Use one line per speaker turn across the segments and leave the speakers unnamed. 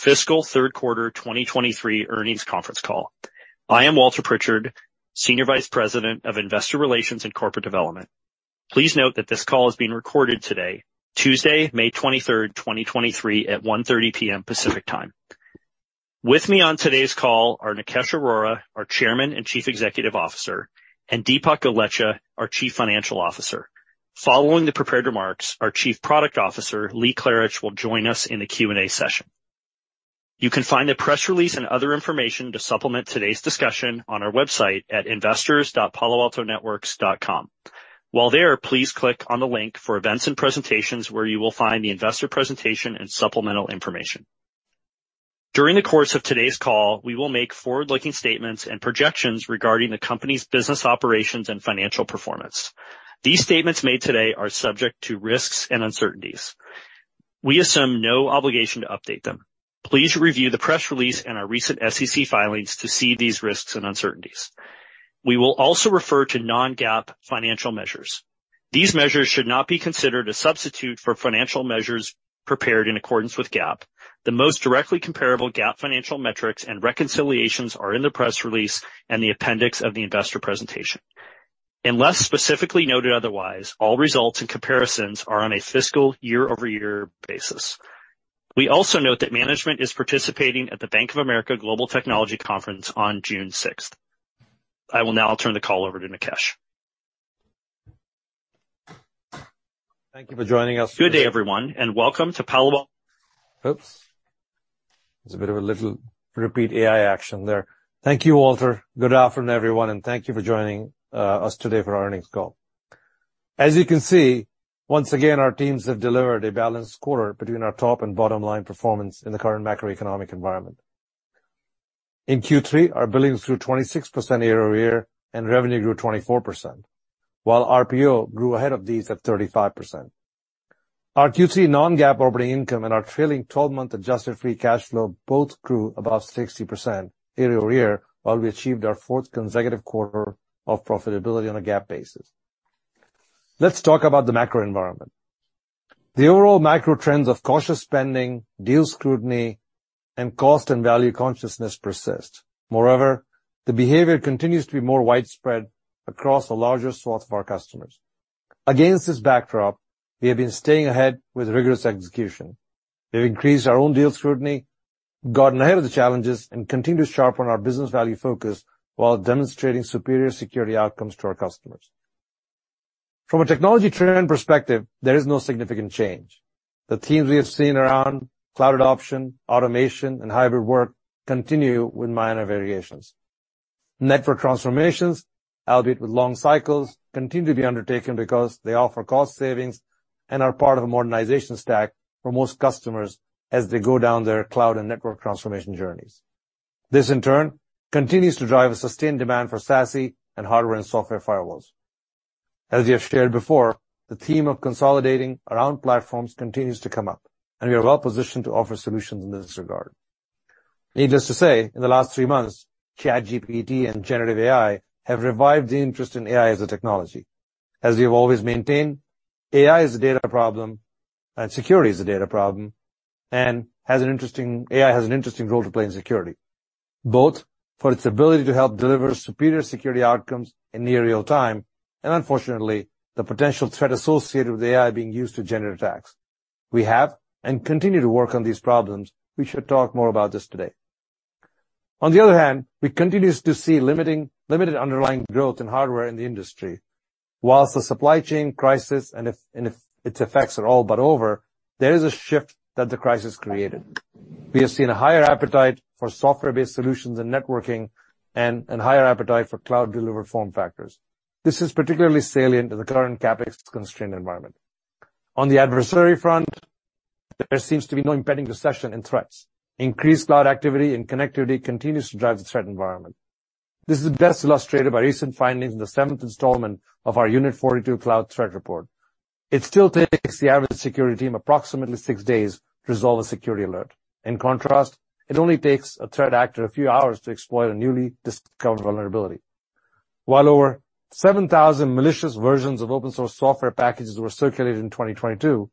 Fiscal 3rd quarter 2023 earnings conference call. I am Walter Pritchard, Senior Vice President of Investor Relations and Corporate Development. Please note that this call is being recorded today, Tuesday, May 23rd, 2023 at 1:30 P.M. Pacific Time. With me on today's call are Nikesh Arora, our Chairman and Chief Executive Officer, and Dipak Golechha, our Chief Financial Officer. Following the prepared remarks, our Chief Product Officer, Lee Klarich, will join us in the Q&A session. You can find the press release and other information to supplement today's discussion on our website at investors.paloaltonetworks.com. While there, please click on the link for events and presentations, where you will find the investor presentation and supplemental information. During the course of today's call, we will make forward-looking statements and projections regarding the company's business operations and financial performance. These statements made today are subject to risks and uncertainties. We assume no obligation to update them. Please review the press release and our recent SEC filings to see these risks and uncertainties. We will also refer to non-GAAP financial measures. These measures should not be considered a substitute for financial measures prepared in accordance with GAAP. The most directly comparable GAAP financial metrics and reconciliations are in the press release and the appendix of the investor presentation. Unless specifically noted otherwise, all results and comparisons are on a fiscal year-over-year basis. We also note that management is participating at the Bank of America Global Technology Conference on June sixth. I will now turn the call over to Nikesh.
Thank you for joining us.
Good day, everyone, and welcome to.
Oops. There's a bit of a little repeat AI action there. Thank you, Walter. Good afternoon, everyone, thank you for joining us today for our earnings call. As you can see, once again, our teams have delivered a balanced quarter between our top and bottom line performance in the current macroeconomic environment. In Q3, our billings grew 26% year-over-year and revenue grew 24%, while RPO grew ahead of these at 35%. Our Q3 non-GAAP operating income and our trailing twelve-month adjusted free cash flow both grew above 60% year-over-year, while we achieved our fourth consecutive quarter of profitability on a GAAP basis. Let's talk about the macro environment. The overall macro trends of cautious spending, deal scrutiny, and cost and value consciousness persist. The behavior continues to be more widespread across a larger swath of our customers. Against this backdrop, we have been staying ahead with rigorous execution. We've increased our own deal scrutiny, gotten ahead of the challenges, and continue to sharpen our business value focus while demonstrating superior security outcomes to our customers. From a technology trend perspective, there is no significant change. The themes we have seen around cloud adoption, automation, and hybrid work continue with minor variations. Network transformations, albeit with long cycles, continue to be undertaken because they offer cost savings and are part of a modernization stack for most customers as they go down their cloud and network transformation journeys. This in turn continues to drive a SASE and hardware and software firewalls. As we have shared before, the theme of consolidating around platforms continues to come up, and we are well-positioned to offer solutions in this regard. Needless to say, in the last three months, ChatGPT and generative AI have revived the interest in AI as a technology. As we have always maintained, AI is a data problem and security is a data problem, AI has an interesting role to play in security, both for its ability to help deliver superior security outcomes in near real time and unfortunately, the potential threat associated with AI being used to generate attacks. We have and continue to work on these problems. We should talk more about this today. On the other hand, we continue to see limited underlying growth in hardware in the industry. While the supply chain crisis and if its effects are all but over, there is a shift that the crisis created. We have seen a higher appetite for software-based solutions and networking and higher appetite for cloud-delivered form factors. This is particularly salient in the current CapEx constrained environment. On the adversary front, there seems to be no impending recession in threats. Increased cloud activity and connectivity continues to drive the threat environment. This is best illustrated by recent findings in the seventh installment of our Unit 42 Cloud Threat Report. It still takes the average security team approximately six days to resolve a security alert. In contrast, it only takes a threat actor a few hours to exploit a newly discovered vulnerability. While over 7,000 malicious versions of open source software packages were circulated in 2022,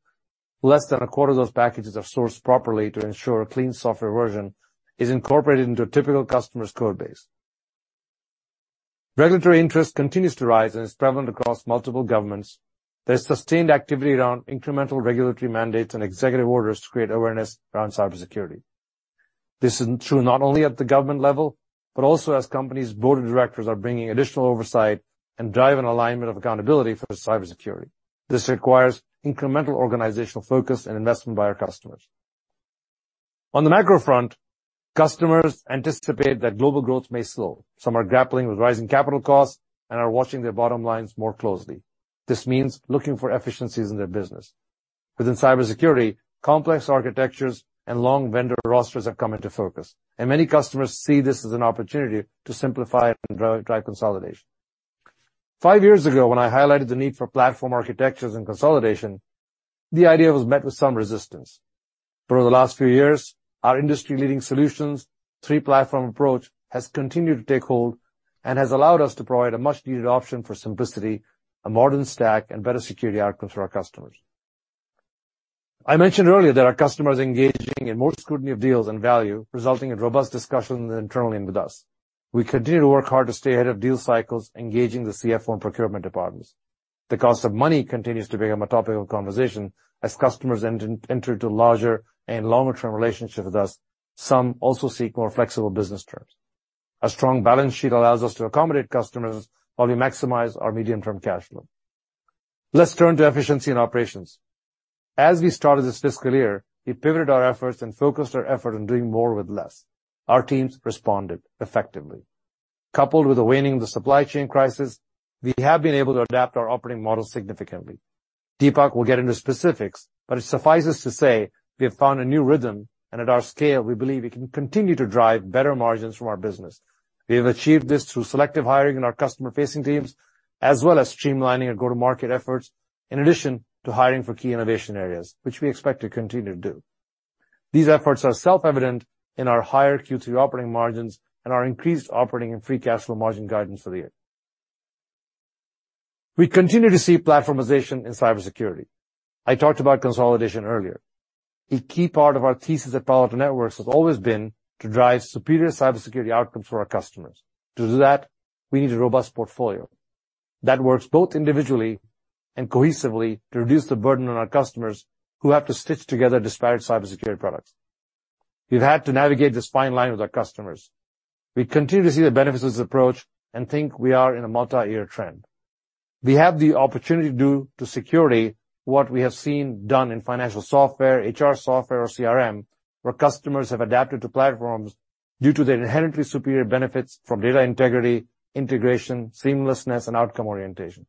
less than a quarter of those packages are sourced properly to ensure a clean software version is incorporated into a typical customer's code base. Regulatory interest continues to rise and is prevalent across multiple governments. There's sustained activity around incremental regulatory mandates and executive orders to create awareness around cybersecurity. This is true not only at the government level, but also as companies' board of directors are bringing additional oversight and drive an alignment of accountability for cybersecurity. This requires incremental organizational focus and investment by our customers. On the macro front, customers anticipate that global growth may slow. Some are grappling with rising capital costs and are watching their bottom lines more closely. This means looking for efficiencies in their business. Within cybersecurity, complex architectures and long vendor rosters have come into focus, and many customers see this as an opportunity to simplify and drive consolidation. Five years ago, when I highlighted the need for platform architectures and consolidation, the idea was met with some resistance. For the last few years, our industry-leading solutions' three-platform approach has continued to take hold and has allowed us to provide a much needed option for simplicity, a modern stack, and better security outcomes for our customers. I mentioned earlier that our customers are engaging in more scrutiny of deals and value, resulting in robust discussions internally and with us. We continue to work hard to stay ahead of deal cycles, engaging the CFO and procurement departments. The cost of money continues to become a topic of conversation as customers enter into larger and longer-term relationships with us, some also seek more flexible business terms. A strong balance sheet allows us to accommodate customers while we maximize our medium-term cash flow. Let's turn to efficiency and operations. As we started this fiscal year, we pivoted our efforts and focused our effort on doing more with less. Our teams responded effectively. Coupled with the waning of the supply chain crisis, we have been able to adapt our operating model significantly. Dipak will get into specifics, it suffices to say we have found a new rhythm, and at our scale, we believe we can continue to drive better margins from our business. We have achieved this through selective hiring in our customer-facing teams, as well as streamlining our go-to-market efforts, in addition to hiring for key innovation areas, which we expect to continue to do. These efforts are self-evident in our higher Q3 operating margins and our increased operating and free cash flow margin guidance for the year. We continue to see platformization in cybersecurity. I talked about consolidation earlier. A key part of our thesis at Palo Alto Networks has always been to drive superior cybersecurity outcomes for our customers. To do that, we need a robust portfolio that works both individually and cohesively to reduce the burden on our customers who have to stitch together disparate cybersecurity products. We've had to navigate the spine line with our customers. We continue to see the benefits of this approach and think we are in a multi-year trend. We have the opportunity to do to security what we have seen done in financial software, HR software, or CRM, where customers have adapted to platforms due to the inherently superior benefits from data integrity, integration, seamlessness, and outcome orientation.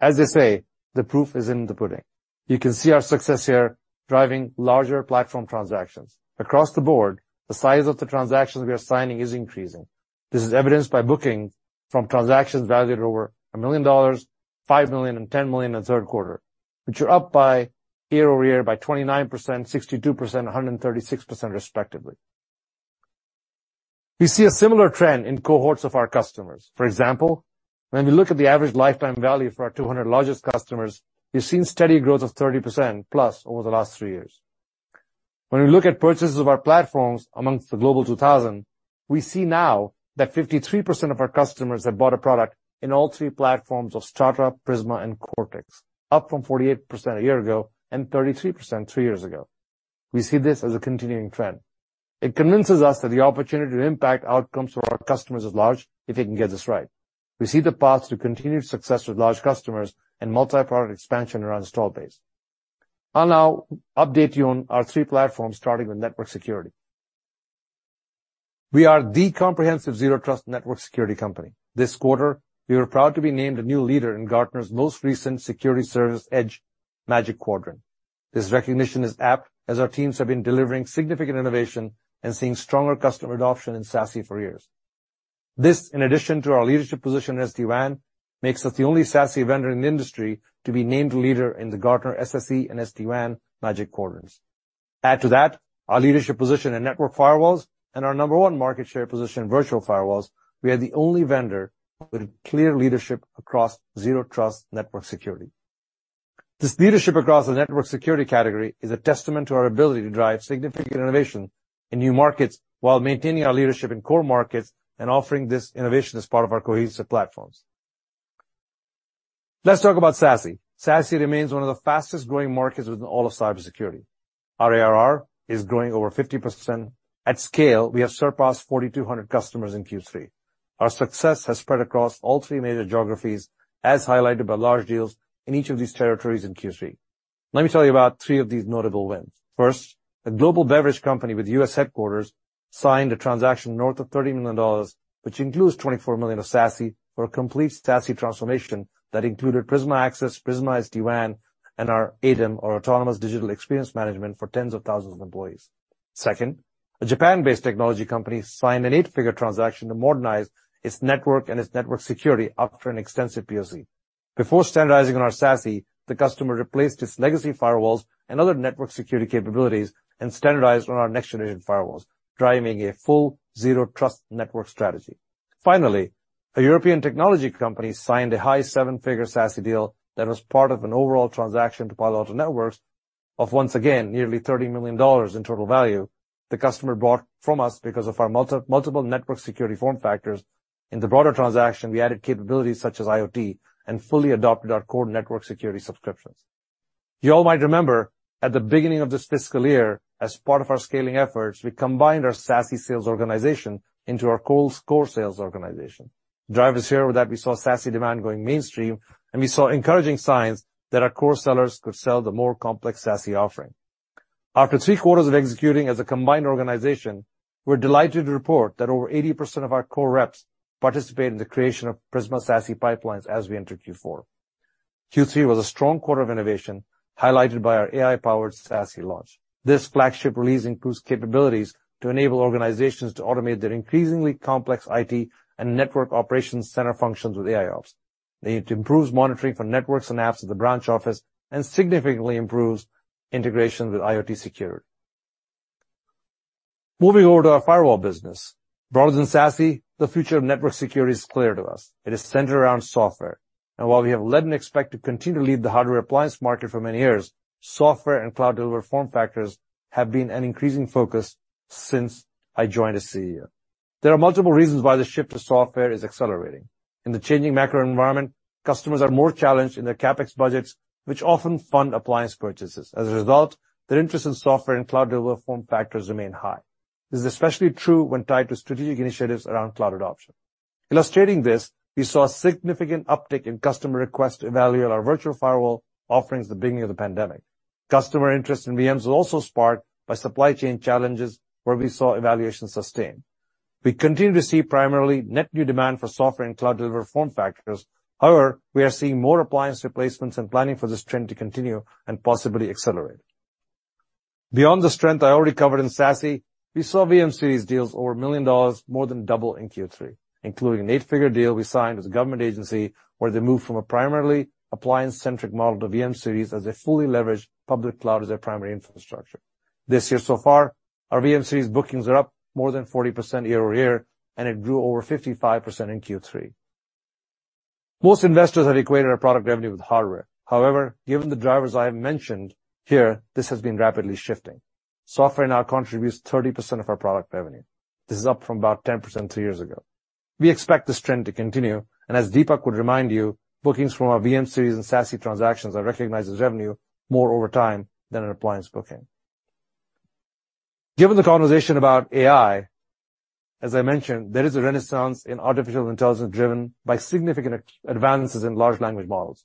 As they say, the proof is in the pudding. You can see our success here driving larger platform transactions. Across the board, the size of the transactions we are signing is increasing. This is evidenced by booking from transactions valued at over $1 million, $5 million and $10 million in 3rd quarter, which are up by year-over-year by 29%, 62%, 136% respectively. We see a similar trend in cohorts of our customers. For example, when we look at the average lifetime value for our 200 largest customers, we've seen steady growth of 30% plus over the last three years. When we look at purchases of our platforms amongst the Global 2000, we see now that 53% of our customers have bought a product in all three platforms of Strata, Prisma, and Cortex, up from 48% a year ago and 33% three years ago. We see this as a continuing trend. It convinces us that the opportunity to impact outcomes for our customers is large if they can get this right. We see the path to continued success with large customers and multi-product expansion around install base. I'll now update you on our three platforms, starting with network security. We are the comprehensive Zero Trust network security company. This quarter, we are proud to be named a new leader in Gartner's most recent Security Service Edge Magic Quadrant. This recognition is apt as our teams have been delivering significant innovation and seeing stronger SASE for years. This, in addition to our leadership position in SD-WAN, makes SASE vendor in the industry to be named leader in the Gartner SSE and SD-WAN Magic Quadrants. Add to that our leadership position in network firewalls and our number one market share position in virtual firewalls, we are the only vendor with clear leadership across Zero Trust network security. This leadership across the network security category is a testament to our ability to drive significant innovation in new markets while maintaining our leadership in core markets and offering this innovation as part of our cohesive platforms. SASE remains one of the fastest-growing markets within all of cybersecurity. Our ARR is growing over 50%. At scale, we have surpassed 4,200 customers in Q3. Our success has spread across all three major geographies, as highlighted by large deals in each of these territories in Q3. Let me tell you about three of these notable wins. A global beverage company with U.S. headquarters signed a transaction north of $30 million, which includes SASE transformation that included Prisma Access, Prisma SD-WAN, and our ADEM, or Autonomous Digital Experience Management, for tens of thousands of employees. A Japan-based technology company signed an eight-figure transaction to modernize its network and its network security after an extensive POC. Before SASE, the customer replaced its legacy firewalls and other network security capabilities and standardized on our next-generation firewalls, driving a full Zero Trust network strategy. A European technology company signed SASE deal that was part of an overall transaction to Palo Alto Networks of, once again, nearly $30 million in total value. The customer bought from us because of our multi-multiple network security form factors. In the broader transaction, we added capabilities such as IoT and fully adopted our core network security subscriptions. You all might remember at the beginning of this fiscal year, as part of our scaling efforts, SASE sales organization into our core score sales organization. Drivers here SASE demand going mainstream. We saw encouraging signs that our core sellers could sell SASE offering. After three quarters of executing as a combined organization, we're delighted to report that over 80% of our core reps participated in the SASE pipelines as we enter Q4. Q3 was a strong quarter of innovation, highlighted SASE launch. This flagship release includes capabilities to enable organizations to automate their increasingly complex IT and network operations center functions with AIOps. It improves monitoring for networks and apps at the branch office and significantly improves integration with IoT security. Moving over to our SASE, the future of network security is clear to us. It is centered around software. While we have led and expect to continue to lead the hardware appliance market for many years, software and cloud deliver form factors have been an increasing focus since I joined as CEO. There are multiple reasons why the shift to software is accelerating. In the changing macro environment, customers are more challenged in their CapEx budgets, which often fund appliance purchases. As a result, their interest in software and cloud deliver form factors remain high. This is especially true when tied to strategic initiatives around cloud adoption. Illustrating this, we saw a significant uptick in customer requests to evaluate our virtual firewall offerings the beginning of the pandemic. Customer interest in VMS was also sparked by supply chain challenges where we saw evaluation sustained. We continue to see primarily net new demand for software and cloud deliver form factors. We are seeing more appliance replacements and planning for this trend to continue and possibly accelerate. Beyond the strength I SASE, we saw VM-Series deals over $1 million more than double in Q3, including an 8-figure deal we signed with the government agency, where they moved from a primarily appliance-centric model to VM-Series as they fully leveraged public cloud as their primary infrastructure. This year so far, our VM-Series bookings are up more than 40% year-over-year, and it grew over 55% in Q3. Most investors have equated our product revenue with hardware. Given the drivers I have mentioned here, this has been rapidly shifting. Software now contributes 30% of our product revenue. This is up from about 10% two years ago. We expect this trend to continue. As Dipak would remind you, bookings from SASE transactions are recognized as revenue more over time than an appliance booking. Given the conversation about AI, as I mentioned, there is a renaissance in artificial intelligence driven by significant advances in large language models,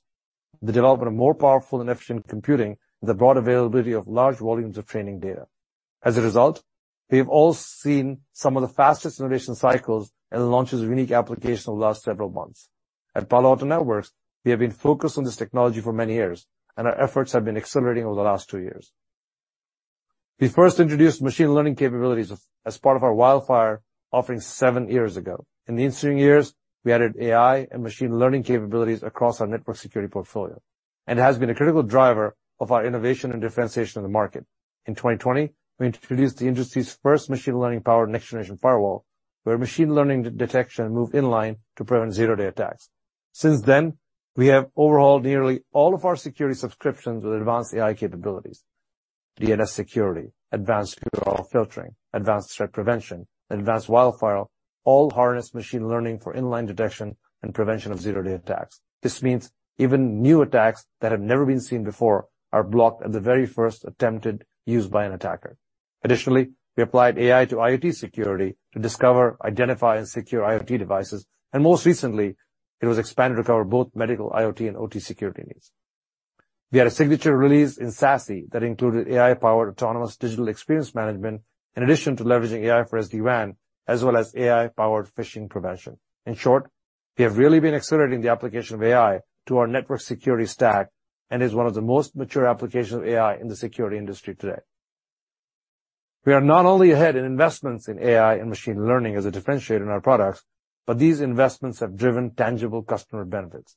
the development of more powerful and efficient computing, the broad availability of large volumes of training data. We have all seen some of the fastest innovation cycles and launches of unique applications over the last several months. At Palo Alto Networks, we have been focused on this technology for many years. Our efforts have been accelerating over the last 2 years. We first introduced machine learning capabilities as part of our WildFire offering seven years ago. In the ensuing years, we added AI and machine learning capabilities across our network security portfolio. It has been a critical driver of our innovation and differentiation in the market. In 2020, we introduced the industry's first machine learning powered next-generation firewall, where machine learning de-detection moved in line to prevent zero-day attacks. Since then, we have overhauled nearly all of our security subscriptions with advanced AI capabilities. DNS Security, Advanced URL Filtering, Advanced Threat Prevention, Advanced WildFire, all harness machine learning for inline detection and prevention of zero-day attacks. This means even new attacks that have never been seen before are blocked at the very first attempted use by an attacker. We applied AI to IoT security to discover, identify and secure IoT devices, and most recently, it was expanded to cover both medical IoT and OT security needs. We had a SASE that included AI-powered Autonomous Digital Experience Management in addition to leveraging AI for SD-WAN, as well as AI-powered phishing prevention. In short, we have really been accelerating the application of AI to our network security stack and is one of the most mature applications of AI in the security industry today. We are not only ahead in investments in AI and machine learning as a differentiator in our products, but these investments have driven tangible customer benefits.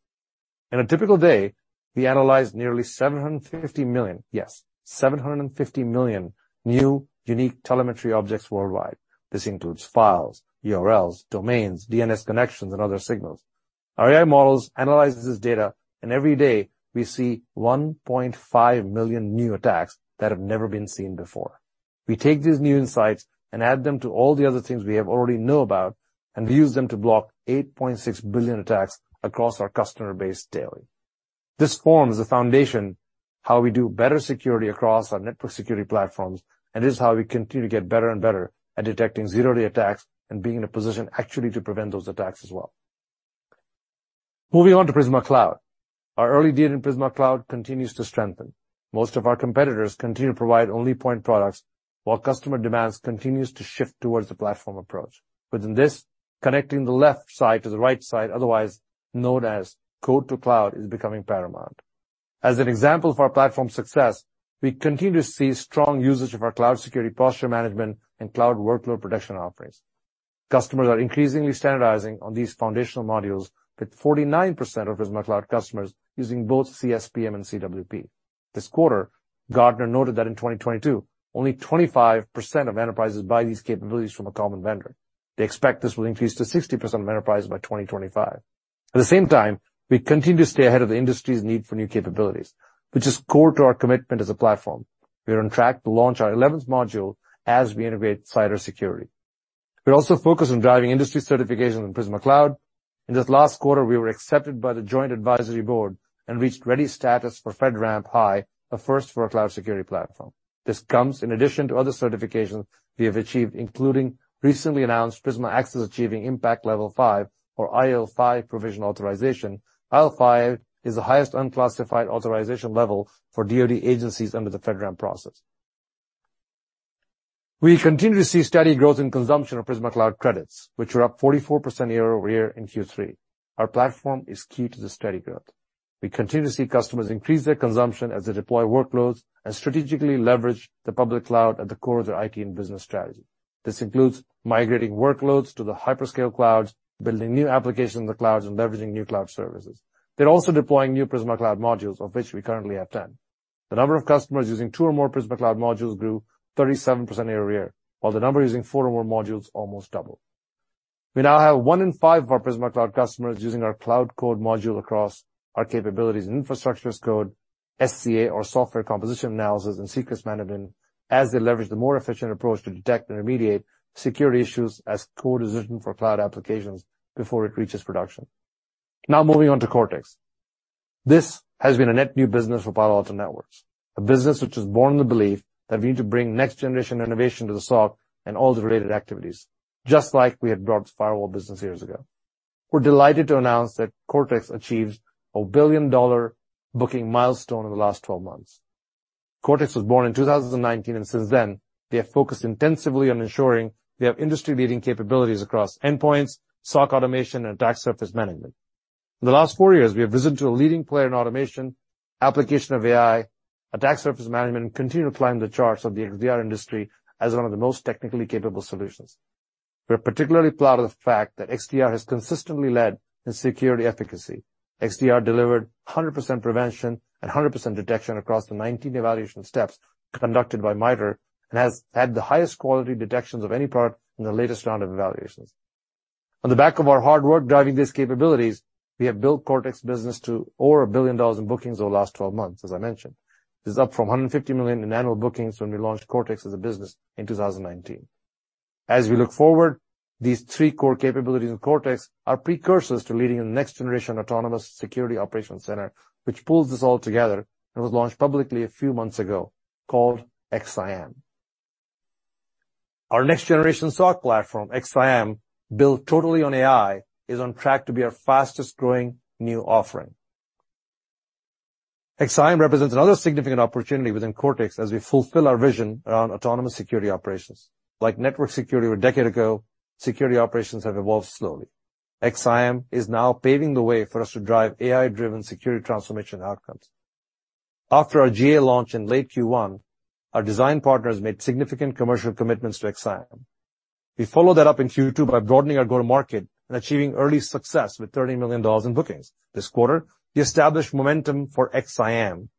In a typical day, we analyze nearly 750 million, yes, 750 million new unique telemetry objects worldwide. This includes files, URLs, domains, DNS connections, and other signals. Our AI models analyze this data. Every day we see 1.5 million new attacks that have never been seen before. We take these new insights and add them to all the other things we have already know about and we use them to block 8.6 billion attacks across our customer base daily. This forms the foundation how we do better security across our network security platforms, and this is how we continue to get better and better at detecting zero-day attacks and being in a position actually to prevent those attacks as well. Moving on to Prisma Cloud. Our early deal in Prisma Cloud continues to strengthen. Most of our competitors continue to provide only point products while customer demands continues to shift towards the platform approach. Within this, connecting the left side to the right side, otherwise known as code to cloud, is becoming paramount. As an example for our platform success, we continue to see strong usage of our cloud security posture management and cloud workload protection offerings. Customers are increasingly standardizing on these foundational modules with 49% of Prisma Cloud customers using both CSPM and CWP. This quarter, Gartner noted that in 2022, only 25% of enterprises buy these capabilities from a common vendor. They expect this will increase to 60% of enterprise by 2025. At the same time, we continue to stay ahead of the industry's need for new capabilities, which is core to our commitment as a platform. We are on track to launch our 11th module as we integrate cybersecurity. We also focus on driving industry certifications in Prisma Cloud. In this last quarter, we were accepted by the Joint Authorization Board and reached ready status for FedRAMP High, a first for a cloud security platform. This comes in addition to other certifications we have achieved, including recently announced Prisma Access achieving Impact Level 5 or IL5 provision authorization. IL5 is the highest unclassified authorization level for DoD agencies under the FedRAMP process. We continue to see steady growth in consumption of Prisma Cloud credits, which were up 44% year-over-year in Q3. Our platform is key to the steady growth. We continue to see customers increase their consumption as they deploy workloads and strategically leverage the public cloud at the core of their IT and business strategies. This includes migrating workloads to the hyperscale clouds, building new applications in the clouds, and leveraging new cloud services. They're also deploying new Prisma Cloud modules, of which we currently have 10. The number of customers using two or more Prisma Cloud modules grew 37% year-over-year, while the number using four or more modules almost doubled. We now have one in five of our Prisma Cloud customers using our cloud code module across our capabilities in infrastructures code, SCA or Software Composition Analysis, and secrets management, as they leverage the more efficient approach to detect and remediate security issues as code decision for cloud applications before it reaches production. Moving on to Cortex. This has been a net new business for Palo Alto Networks, a business which was born in the belief that we need to bring next-generation innovation to the SOC and all the related activities, just like we had brought the firewall business years ago. We're delighted to announce that Cortex achieved a billion-dollar booking milestone in the last 12 months. Cortex was born in 2019, and since then, they have focused intensively on ensuring they have industry-leading capabilities across endpoints, SOC automation, and attack surface management. In the last four years, we have risen to a leading player in automation, application of AI, attack surface management, and continue to climb the charts of the XDR industry as one of the most technically capable solutions. We are particularly proud of the fact that XDR has consistently led in security efficacy. XDR delivered 100% prevention and 100% detection across the 19 evaluation steps conducted by MITRE, and has had the highest quality detections of any product in the latest round of evaluations. On the back of our hard work driving these capabilities, we have built Cortex business to over $1 billion in bookings over the last 12 months, as I mentioned. This is up from $150 million in annual bookings when we launched Cortex as a business in 2019. As we look forward, these three core capabilities in Cortex are precursors to leading a next-generation autonomous security operations center, which pulls this all together and was launched publicly a few months ago, called XSIAM. Our next-generation SOC platform, XSIAM, built totally on AI, is on track to be our fastest-growing new offering. XSIAM represents another significant opportunity within Cortex as we fulfill our vision around autonomous security operations. Like network security a decade ago, security operations have evolved slowly. XSIAM is now paving the way for us to drive AI-driven security transformation outcomes. After our GA launch in late Q1, our design partners made significant commercial commitments to XSIAM. We followed that up in Q2 by broadening our go-to-market and achieving early success with $30 million in bookings. This quarter, we established momentum for XSIAM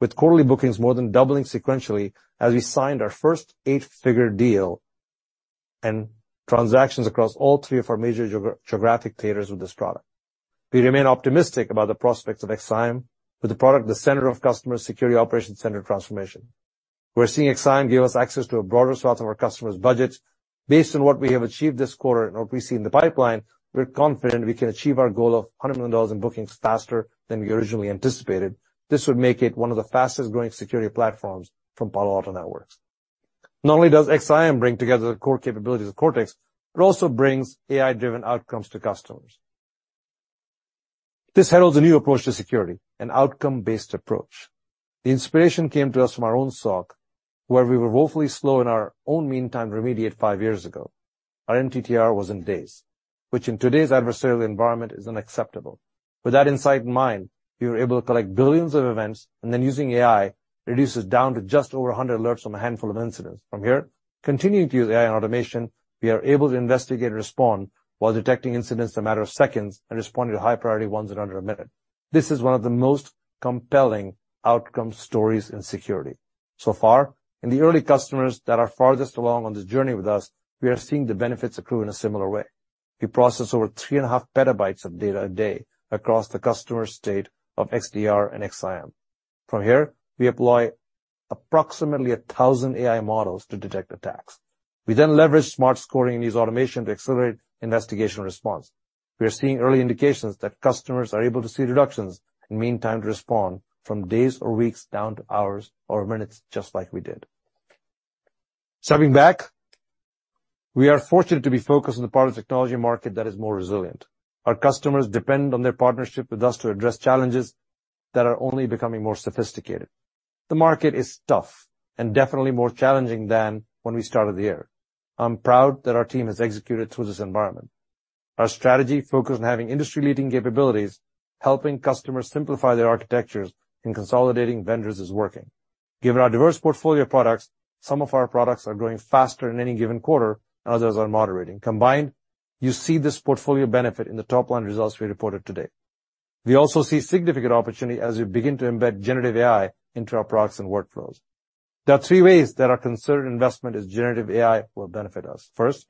with quarterly bookings more than doubling sequentially as we signed our first eight-figure deal and transactions across all three of our major geographic theaters with this product. We remain optimistic about the prospects of XSIAM with the product at the center of customer security operations center transformation. We're seeing XSIAM give us access to a broader swath of our customers' budgets. Based on what we have achieved this quarter and what we see in the pipeline, we're confident we can achieve our goal of $100 million in bookings faster than we originally anticipated. This would make it one of the fastest-growing security platforms from Palo Alto Networks. Not only does XSIAM bring together the core capabilities of Cortex, it also brings AI-driven outcomes to customers. This heralds a new approach to security, an outcome-based approach. The inspiration came to us from our own SOC, where we were woefully slow in our own mean time to remediate five years ago. Our MTTR was in days, which in today's adversarial environment is unacceptable. With that insight in mind, we were able to collect billions of events, and then using AI, reduce this down to just over 100 alerts from a handful of incidents. From here, continuing to use AI and automation, we are able to investigate and respond while detecting incidents in a matter of seconds and responding to high-priority ones in under a minute. This is one of the most compelling outcome stories in security. So far, in the early customers that are farthest along on this journey with us, we are seeing the benefits accrue in a similar way. We process over 3.5 PB of data a day across the customer state of XDR and XSIAM. From here, we apply approximately 1,000 AI models to detect attacks. We leverage smart scoring and use automation to accelerate investigation response. We are seeing early indications that customers are able to see reductions in mean time to respond from days or weeks down to hours or minutes, just like we did. Stepping back, we are fortunate to be focused on the part of the technology market that is more resilient. Our customers depend on their partnership with us to address challenges that are only becoming more sophisticated. The market is tough and definitely more challenging than when we started the year. I'm proud that our team has executed through this environment. Our strategy focused on having industry-leading capabilities, helping customers simplify their architectures, and consolidating vendors is working. Given our diverse portfolio of products, some of our products are growing faster in any given quarter, others are moderating. Combined, you see this portfolio benefit in the top line results we reported today. We also see significant opportunity as we begin to embed generative AI into our products and workflows. There are three ways that our considered investment in generative AI will benefit us. First,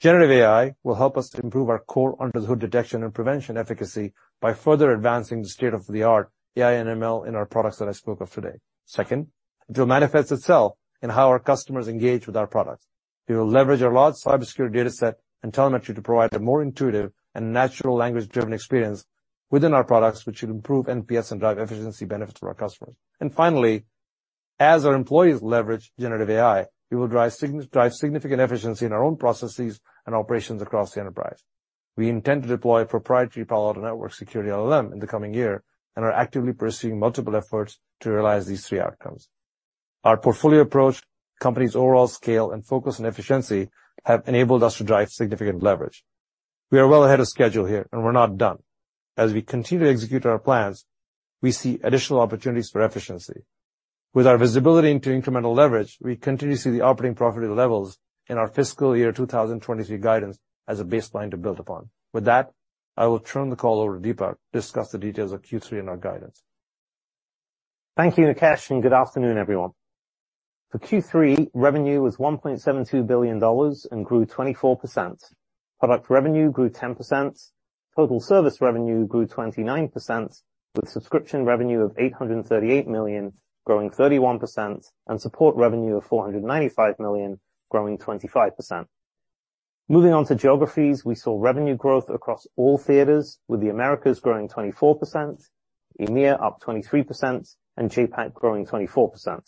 generative AI will help us to improve our core under-the-hood detection and prevention efficacy by further advancing the state-of-the-art AI and ML in our products that I spoke of today. Second, it will manifest itself in how our customers engage with our products. We will leverage our large cybersecurity dataset and telemetry to provide a more intuitive and natural language-driven experience within our products, which will improve NPS and drive efficiency benefits for our customers. Finally, as our employees leverage generative AI, we will drive significant efficiency in our own processes and operations across the enterprise. We intend to deploy a proprietary Palo Alto Networks security LLM in the coming year and are actively pursuing multiple efforts to realize these three outcomes. Our portfolio approach, company's overall scale, and focus on efficiency have enabled us to drive significant leverage. We are well ahead of schedule here, and we're not done. As we continue to execute our plans, we see additional opportunities for efficiency. With our visibility into incremental leverage, we continue to see the operating profit levels in our fiscal year 2023 guidance as a baseline to build upon. With that, I will turn the call over to Dipak to discuss the details of Q3 and our guidance.
Thank you, Nikesh. Good afternoon, everyone. For Q3, revenue was $1.72 billion and grew 24%. Product revenue grew 10%. Total service revenue grew 29%, with subscription revenue of $838 million growing 31%, and support revenue of $495 million growing 25%. Moving on to geographies, we saw revenue growth across all theaters, with the Americas growing 24%, EMEA up 23%, and JPAC growing 24%.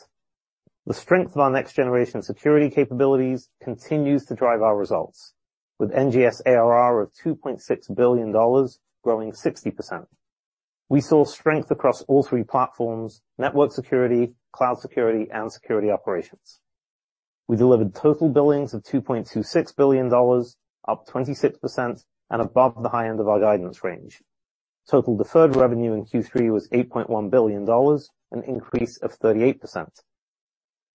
The strength of our next generation security capabilities continues to drive our results, with NGS ARR of $2.6 billion growing 60%. We saw strength across all three platforms: network security, cloud security, and security operations. We delivered total billings of $2.26 billion, up 26% and above the high end of our guidance range. Total deferred revenue in Q3 was $8.1 billion, an increase of 38%.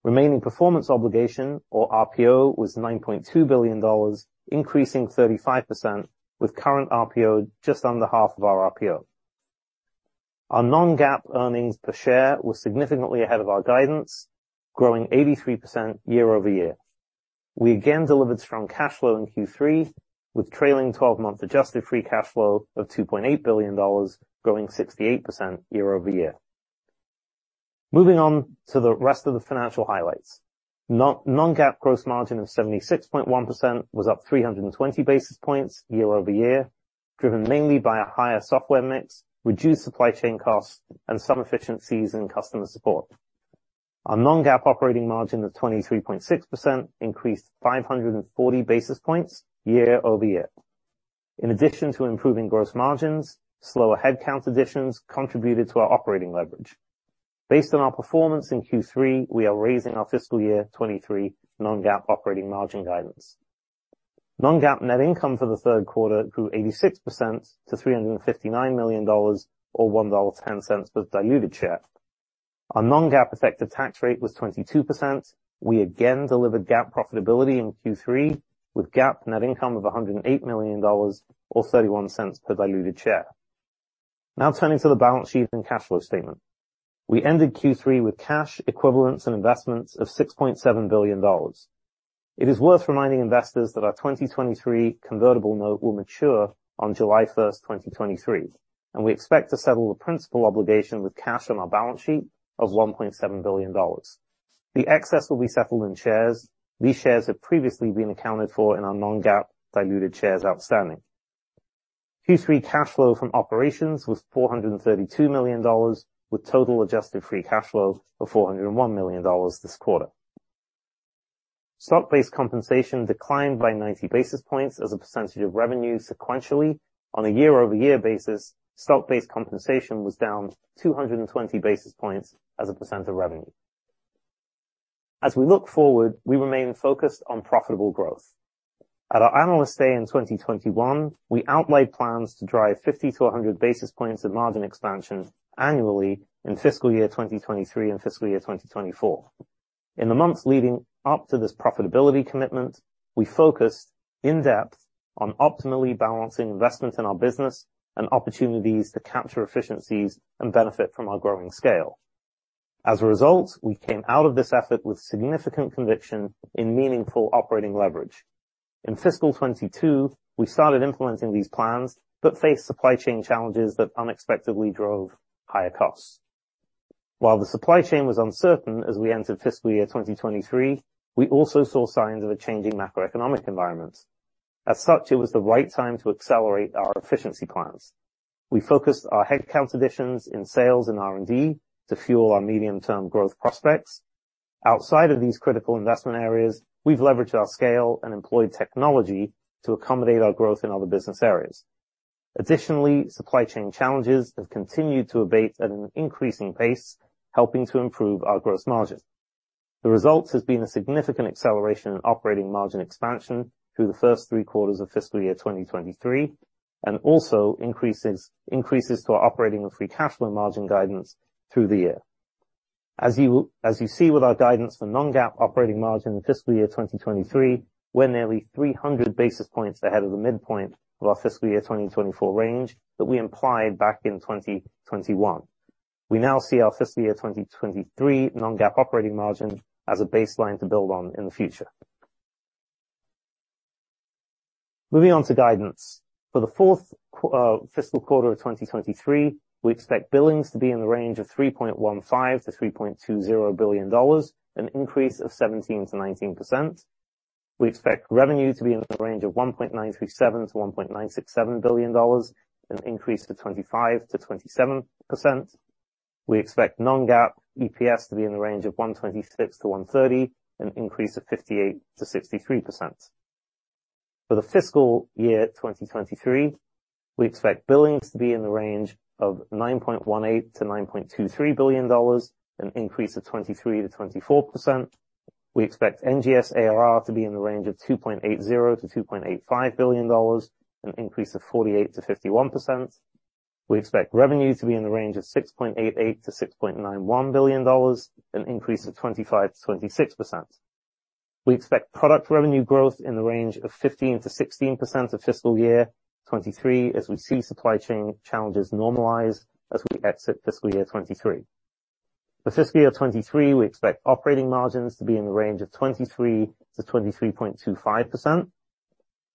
Remaining performance obligation, or RPO, was $9.2 billion, increasing 35%, with current RPO just under half of our RPO. Our non-GAAP earnings per share were significantly ahead of our guidance, growing 83% year-over-year. We again delivered strong cash flow in Q3, with trailing twelve-month adjusted free cash flow of $2.8 billion, growing 68% year-over-year. Moving on to the rest of the financial highlights. non-GAAP gross margin of 76.1% was up 320 basis points year-over-year, driven mainly by a higher software mix, reduced supply chain costs, and some efficiencies in customer support. Our non-GAAP operating margin of 23.6% increased 540 basis points year-over-year. In addition to improving gross margins, slower headcount additions contributed to our operating leverage. Based on our performance in Q3, we are raising our fiscal year 23 non-GAAP operating margin guidance. non-GAAP net income for the third quarter grew 86% to $359 million, or $1.10 per diluted share. Our non-GAAP effective tax rate was 22%. We again delivered GAAP profitability in Q3, with GAAP net income of $108 million or $0.31 per diluted share. Turning to the balance sheet and cash flow statement. We ended Q3 with cash equivalents and investments of $6.7 billion. It is worth reminding investors that our 2023 convertible note will mature on July 1st, 2023, and we expect to settle the principal obligation with cash on our balance sheet of $1.7 billion. The excess will be settled in shares. These shares have previously been accounted for in our non-GAAP diluted shares outstanding. Q3 cash flow from operations was $432 million, with total adjusted free cash flow of $401 million this quarter. Stock-based compensation declined by 90 basis points as a percentage of revenue sequentially. On a year-over-year basis, stock-based compensation was down 220 basis points as a % of revenue. As we look forward, we remain focused on profitable growth. At our Analyst Day in 2021, we outlined plans to drive 50-100 basis points of margin expansion annually in fiscal year 2023 and fiscal year 2024. In the months leading up to this profitability commitment, we focused in-depth on optimally balancing investment in our business and opportunities to capture efficiencies and benefit from our growing scale. As a result, we came out of this effort with significant conviction in meaningful operating leverage. In fiscal 2022, we started implementing these plans but faced supply chain challenges that unexpectedly drove higher costs. While the supply chain was uncertain as we entered fiscal year 2023, we also saw signs of a changing macroeconomic environment. As such, it was the right time to accelerate our efficiency plans. We focused our headcount additions in sales and R&D to fuel our medium-term growth prospects. Outside of these critical investment areas, we've leveraged our scale and employed technology to accommodate our growth in other business areas. Additionally, supply chain challenges have continued to abate at an increasing pace, helping to improve our gross margin. The result has been a significant acceleration in operating margin expansion through the first three quarters of fiscal year 2023, and also increases to our operating and free cash flow margin guidance through the year. As you see with our guidance for non-GAAP operating margin in fiscal year 2023, we're nearly 300 basis points ahead of the midpoint of our fiscal year 2024 range that we implied back in 2021. We now see our fiscal year 2023 non-GAAP operating margin as a baseline to build on in the future. Moving on to guidance. For the 4th fiscal quarter of 2023, we expect billings to be in the range of $3.15 billion-$3.20 billion, an increase of 17%-19%. We expect revenue to be in the range of $1.937 billion-$1.967 billion, an increase of 25%-27%. We expect non-GAAP EPS to be in the range of $1.26-$1.30, an increase of 58%-63%. For the fiscal year 2023, we expect billings to be in the range of $9.18 billion-$9.23 billion, an increase of 23%-24%. We expect NGS ARR to be in the range of $2.80 billion-$2.85 billion, an increase of 48%-51%. We expect revenue to be in the range of $6.88 billion-$6.91 billion, an increase of 25%-26%. We expect product revenue growth in the range of 15%-16% of fiscal year 23, as we see supply chain challenges normalize as we exit fiscal year 23. For fiscal year 23, we expect operating margins to be in the range of 23%-23.25%.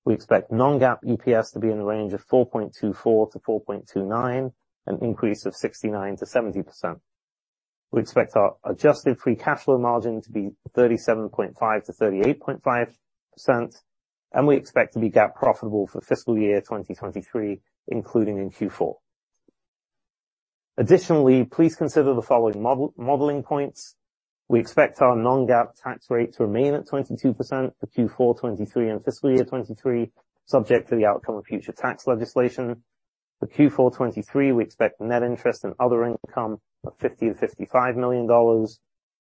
We expect non-GAAP EPS to be in the range of $4.24-$4.29, an increase of 69%-70%. We expect our adjusted free cash flow margin to be 37.5%-38.5%, and we expect to be GAAP profitable for fiscal year 2023, including in Q4. Additionally, please consider the following model, modeling points. We expect our non-GAAP tax rate to remain at 22% for Q4 2023 and fiscal year 2023, subject to the outcome of future tax legislation. For Q4 2023, we expect net interest and other income of $50 million-$55 million.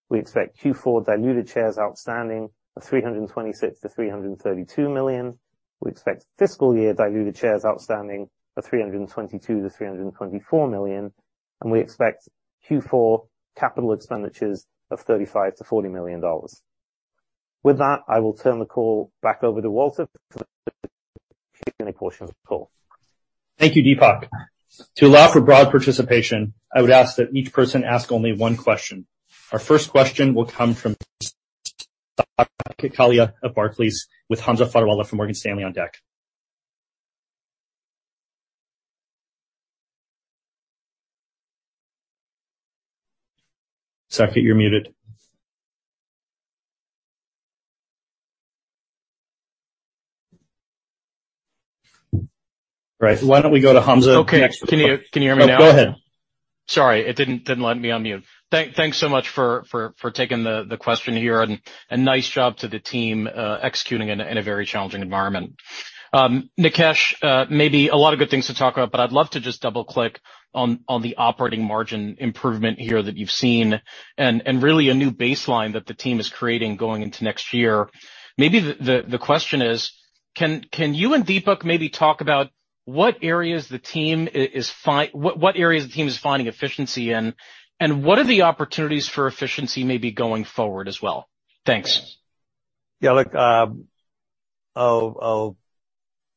We expect Q4 diluted shares outstanding of 326 million-332 million. We expect fiscal year diluted shares outstanding of 322 million-324 million. We expect Q4 capital expenditures of $35 million-$40 million. With that, I will turn the call back over to Walter for the Q&A portion of the call.
Thank you, Dipak. To allow for broad participation, I would ask that each person ask only one question. Our first question will come from Saket Kalia of Barclays, with Hamza Fodderwala from Morgan Stanley on deck. Saket, you're muted.
Right. Why don't we go to Hamza next?
Okay. Can you hear me now?
Oh, go ahead.
Sorry, it didn't let me unmute. Thanks so much for taking the question here and nice job to the team executing in a very challenging environment. Nikesh, maybe a lot of good things to talk about, but I'd love to just double-click on the operating margin improvement here that you've seen and really a new baseline that the team is creating going into next year. Maybe the question is: Can you and Dipak maybe talk about what areas the team is finding efficiency in, and what are the opportunities for efficiency maybe going forward as well? Thanks.
Yeah, look, I'll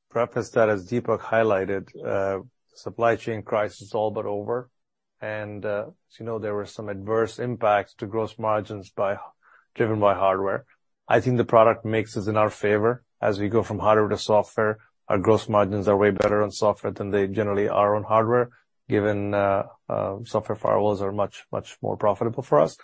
preface that, as Dipak highlighted, supply chain crisis all but over. As you know, there were some adverse impacts to gross margins driven by hardware. I think the product mix is in our favor as we go from hardware to software. Our gross margins are way better on software than they generally are on hardware, given software firewalls are much more profitable for us.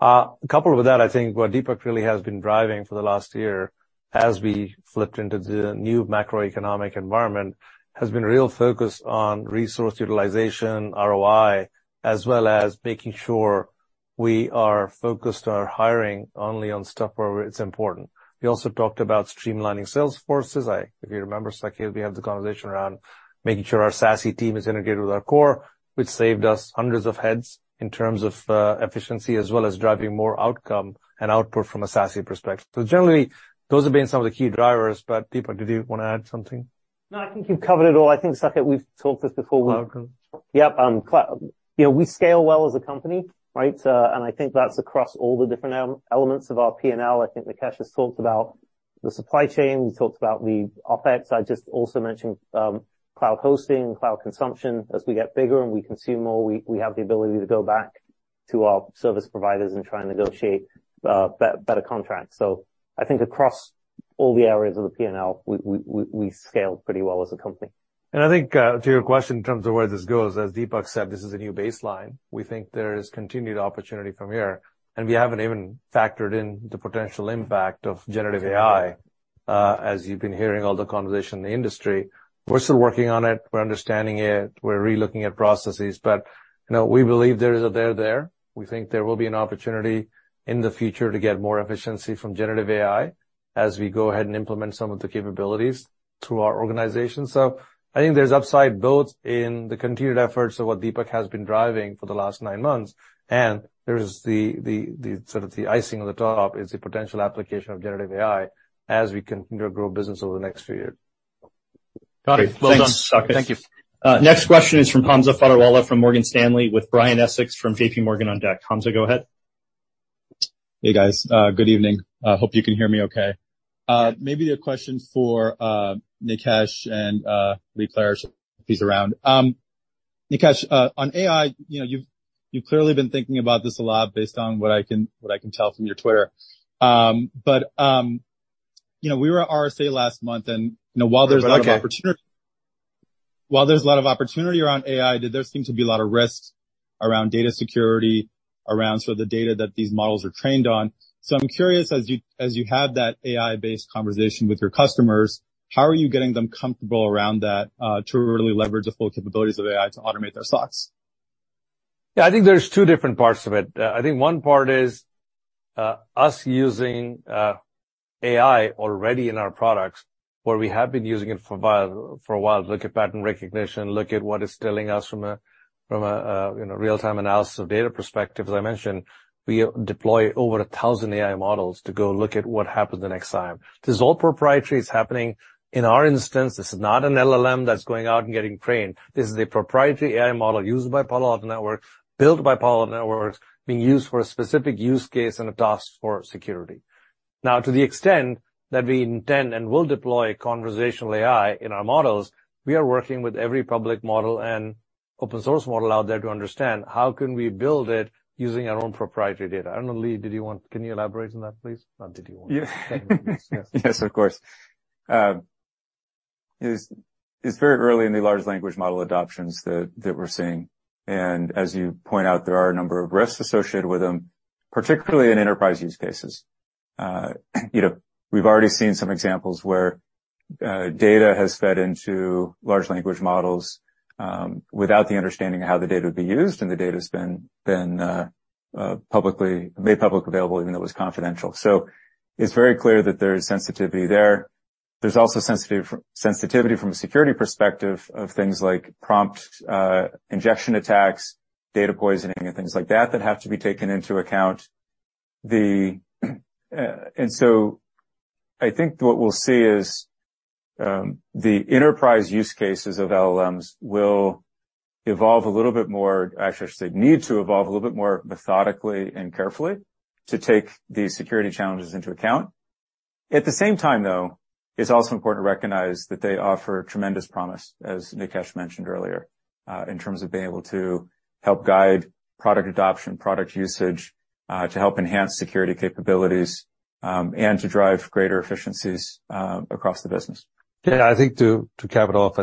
Coupled with that, I think what Dipak really has been driving for the last year as we flipped into the new macroeconomic environment, has been real focused on resource utilization, ROI, as well as making sure we are focused on hiring only on stuff where it's important. We also talked about streamlining sales forces. I, if you remember, Saket, we had the conversation around SASE team is integrated with our core, which saved us hundreds of heads in terms of efficiency as well as driving more outcome and SASE perspective. Generally, those have been some of the key drivers. Dipak, did you want to add something?
No, I think you've covered it all. I think, Saket, we've talked this before.
Welcome.
You know, we scale well as a company, right? And I think that's across all the different elements of our P&L. I think Nikesh has talked about the supply chain, we talked about the OpEx. I just also mentioned cloud hosting and cloud consumption. As we get bigger and we consume more, we have the ability to go back to our service providers and try and negotiate better contracts. I think across all the areas of the P&L, we scale pretty well as a company.
I think, to your question in terms of where this goes, as Dipak said, this is a new baseline. We think there is continued opportunity from here, and we haven't even factored in the potential impact of generative AI, as you've been hearing all the conversation in the industry. We're still working on it. We're understanding it. We're relooking at processes. You know, we believe there is a there there. We think there will be an opportunity in the future to get more efficiency from generative AI as we go ahead and implement some of the capabilities through our organization. I think there's upside both in the continued efforts of what Dipak has been driving for the last nine months, and there's the sort of the icing on the top is the potential application of generative AI as we continue to grow business over the next few years.
Got it. Well done. Thank you.
Next question is from Hamza Fodderwala from Morgan Stanley, with Brian Essex from JP Morgan on deck. Hamza, go ahead.
Hey, guys. Good evening. Hope you can hear me okay. Maybe a question for Nikesh and Lee Klarich if he's around. Nikesh, on AI, you know, you've clearly been thinking about this a lot based on what I can tell from your Twitter. You know, we were at RSA last month, and, you know, while there's a lot of opportunity-
We're looking.
While there's a lot of opportunity around AI, there seems to be a lot of risks around data security, around sort of the data that these models are trained on. I'm curious, as you have that AI-based conversation with your customers, how are you getting them comfortable around that to really leverage the full capabilities of AI to automate their thoughts?
I think there's two different parts of it. I think one part is us using AI already in our products, where we have been using it for a while. Look at pattern recognition, look at what it's telling us from a, you know, real-time analysis of data perspective. As I mentioned, we deploy over 1,000 AI models to go look at what happens the next time. This is all proprietary. It's happening in our instance. This is not an LLM that's going out and getting trained. This is a proprietary AI model used by Palo Alto Networks, built by Palo Alto Networks, being used for a specific use case and a task for security. To the extent that we intend and will deploy conversational AI in our models, we are working with every public model and open source model out there to understand how can we build it using our own proprietary data. I don't know, Lee, can you elaborate on that, please?
Yeah.
Yes.
Yes, of course. It's very early in the large language model adoptions that we're seeing. As you point out, there are a number of risks associated with them, particularly in enterprise use cases. You know, we've already seen some examples where data has fed into large language models without the understanding of how the data would be used, and the data's been made public available even though it was confidential. It's very clear that there is sensitivity there. There's also sensitivity from a security perspective of things like prompt injection attacks, data poisoning and things like that have to be taken into account. I think what we'll see is the enterprise use cases of LLMs will evolve a little bit more. Actually, I should say, need to evolve a little bit more methodically and carefully to take these security challenges into account. At the same time, though, it's also important to recognize that they offer tremendous promise, as Nikesh mentioned earlier, in terms of being able to help guide product adoption, product usage, to help enhance security capabilities, and to drive greater efficiencies across the business.
I think to cap it off,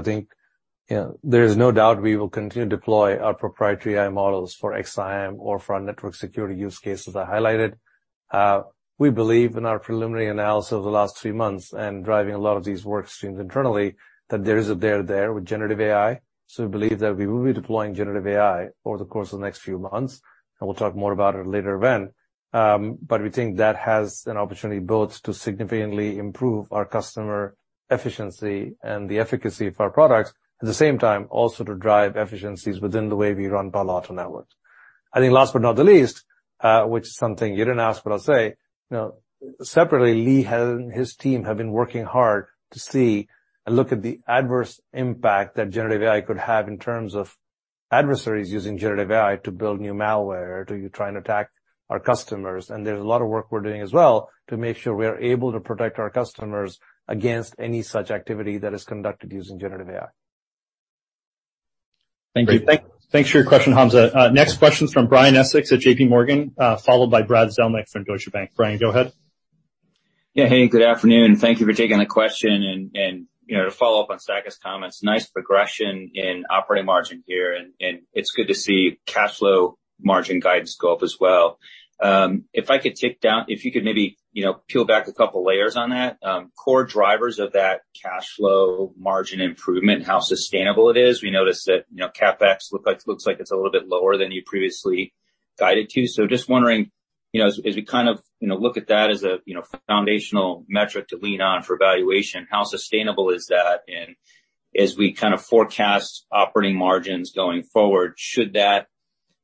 you know, there is no doubt we will continue to deploy our proprietary AI models for Cortex XSIAM or for our network security use cases I highlighted. We believe in our preliminary analysis over the last three months and driving a lot of these work streams internally, that there is a there there with generative AI. We believe that we will be deploying generative AI over the course of the next few months, and we'll talk more about it at a later event. We think that has an opportunity both to significantly improve our customer efficiency and the efficacy of our products, at the same time, also to drive efficiencies within the way we run Palo Alto Networks. I think last but not the least, which is something you didn't ask, but I'll say, you know, separately, Lee, he and his team have been working hard to see and look at the adverse impact that generative AI could have in terms of adversaries using generative AI to build new malware, to try and attack our customers. There's a lot of work we're doing as well to make sure we are able to protect our customers against any such activity that is conducted using generative AI.
Thank you. Thanks for your question, Hamza. Next question is from Brian Essex at JP Morgan, followed by Brad Zelnick from Deutsche Bank. Brian, go ahead.
Yeah. Hey, good afternoon. Thank you for taking the question. To follow up on Nikesh Arora's comments, nice progression in operating margin here, and it's good to see cash flow margin guidance go up as well. If you could maybe, you know, peel back a couple layers on that, core drivers of that cash flow margin improvement and how sustainable it is. We noticed that, you know, CapEx looks like it's a little bit lower than you previously guided to. Just wondering, you know, as we kind of, you know, look at that as a, you know, foundational metric to lean on for valuation, how sustainable is that? As we kinda forecast operating margins going forward, should that,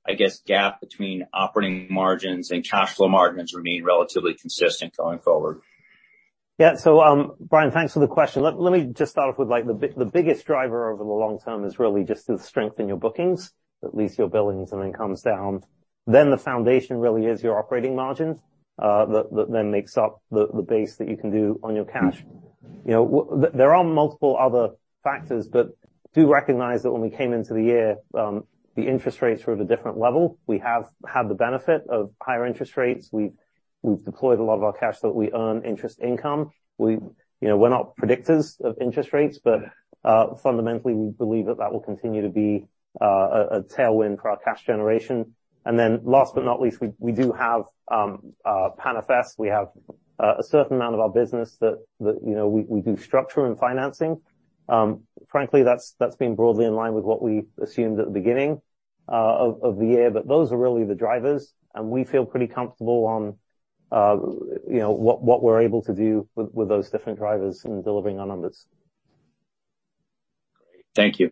I guess, gap between operating margins and cash flow margins remain relatively consistent going forward?
Brian, thanks for the question. Let me just start off with like the biggest driver over the long term is really just the strength in your bookings, at least your billings, and then comes down. The foundation really is your operating margins that then makes up the base that you can do on your cash. You know, there are multiple other factors, but do recognize that when we came into the year, the interest rates were at a different level. We have had the benefit of higher interest rates. We've deployed a lot of our cash that we earn interest income. We, you know, we're not predictors of interest rates, but fundamentally, we believe that that will continue to be a tailwind for our cash generation. Last but not least, we do have PAN FS. We have a certain amount of our business that, you know, we do structure and financing. Frankly, that's been broadly in line with what we assumed at the beginning of the year. Those are really the drivers, and we feel pretty comfortable on, you know, what we're able to do with those different drivers in delivering our numbers.
Great. Thank you.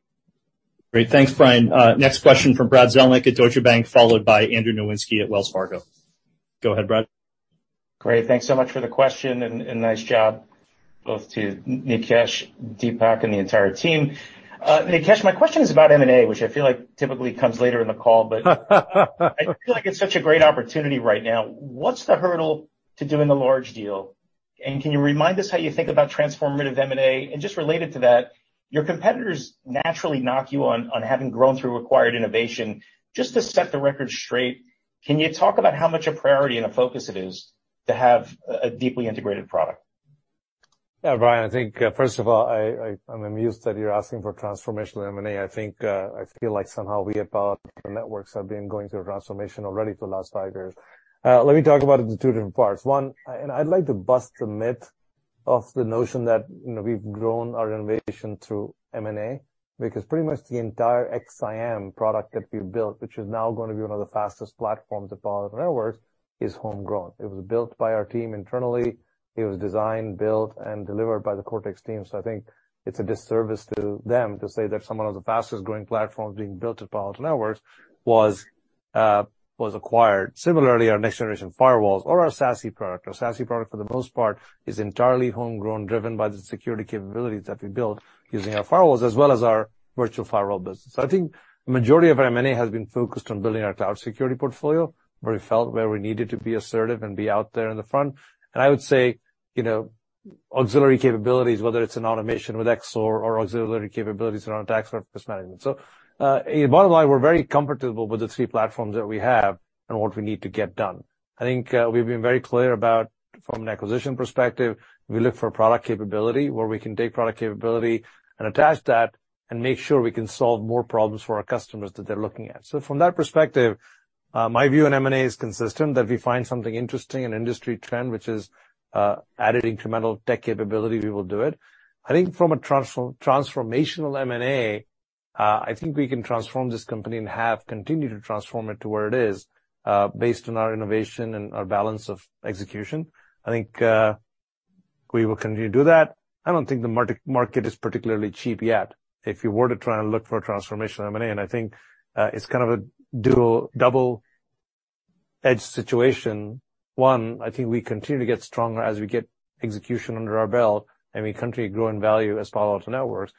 Great. Thanks, Brian. Next question from Brad Zelnick at Deutsche Bank, followed by Andrew Nowinski at Wells Fargo. Go ahead, Brad.
Great. Thanks so much for the question and nice job both to Nikesh, Dipak, and the entire team. Nikesh, my question is about M&A, which I feel like typically comes later in the call, I feel like it's such a great opportunity right now. What's the hurdle to doing a large deal? Can you remind us how you think about transformative M&A? Just related to that, your competitors naturally knock you on having grown through required innovation. Just to set the record straight, can you talk about how much a priority and a focus it is to have a deeply integrated product?
Brian, I think, first of all, I'm amused that you're asking for transformational M&A. I think, I feel like somehow we at Palo Alto Networks have been going through a transformation already for the last five years. Let me talk about it in two different parts. One, and I'd like to bust the myth of the notion that, you know, we've grown our innovation through M&A, because pretty much the entire XSIAM product that we've built, which is now going to be one of the fastest platforms at Palo Alto Networks, is homegrown. It was built by our team internally. It was designed, built, and delivered by the Cortex team. I think it's a disservice to them to say that some of the fastest-growing platforms being built at Palo Alto Networks was acquired. Similarly, our next-generation or our SASE product. SASE product for the most part, is entirely homegrown, driven by the security capabilities that we built using our firewalls as well as our virtual firewall business. I think the majority of our M&A has been focused on building our cloud security portfolio, where we felt where we needed to be assertive and be out there in the front. I would say, you know, auxiliary capabilities, whether it's in automation with Cortex XSOAR or Auxiliary capabilities around attack surface management. Bottom line, we're very comfortable with the three platforms that we have and what we need to get done. I think we've been very clear about from an acquisition perspective, we look for product capability where we can take product capability and attach that and make sure we can solve more problems for our customers that they're looking at. From that perspective, my view on M&A is consistent, that we find something interesting, an industry trend which is, added incremental tech capability, we will do it. I think from a transformational M&A, I think we can transform this company and have continued to transform it to where it is, based on our innovation and our balance of execution. I think we will continue to do that. I don't think the market is particularly cheap yet. If you were to try and look for a transformational M&A, I think it's kind of a double-edge situation. One, I think we continue to get stronger as we get execution under our belt, and we continue to grow in value as Palo Alto Networks.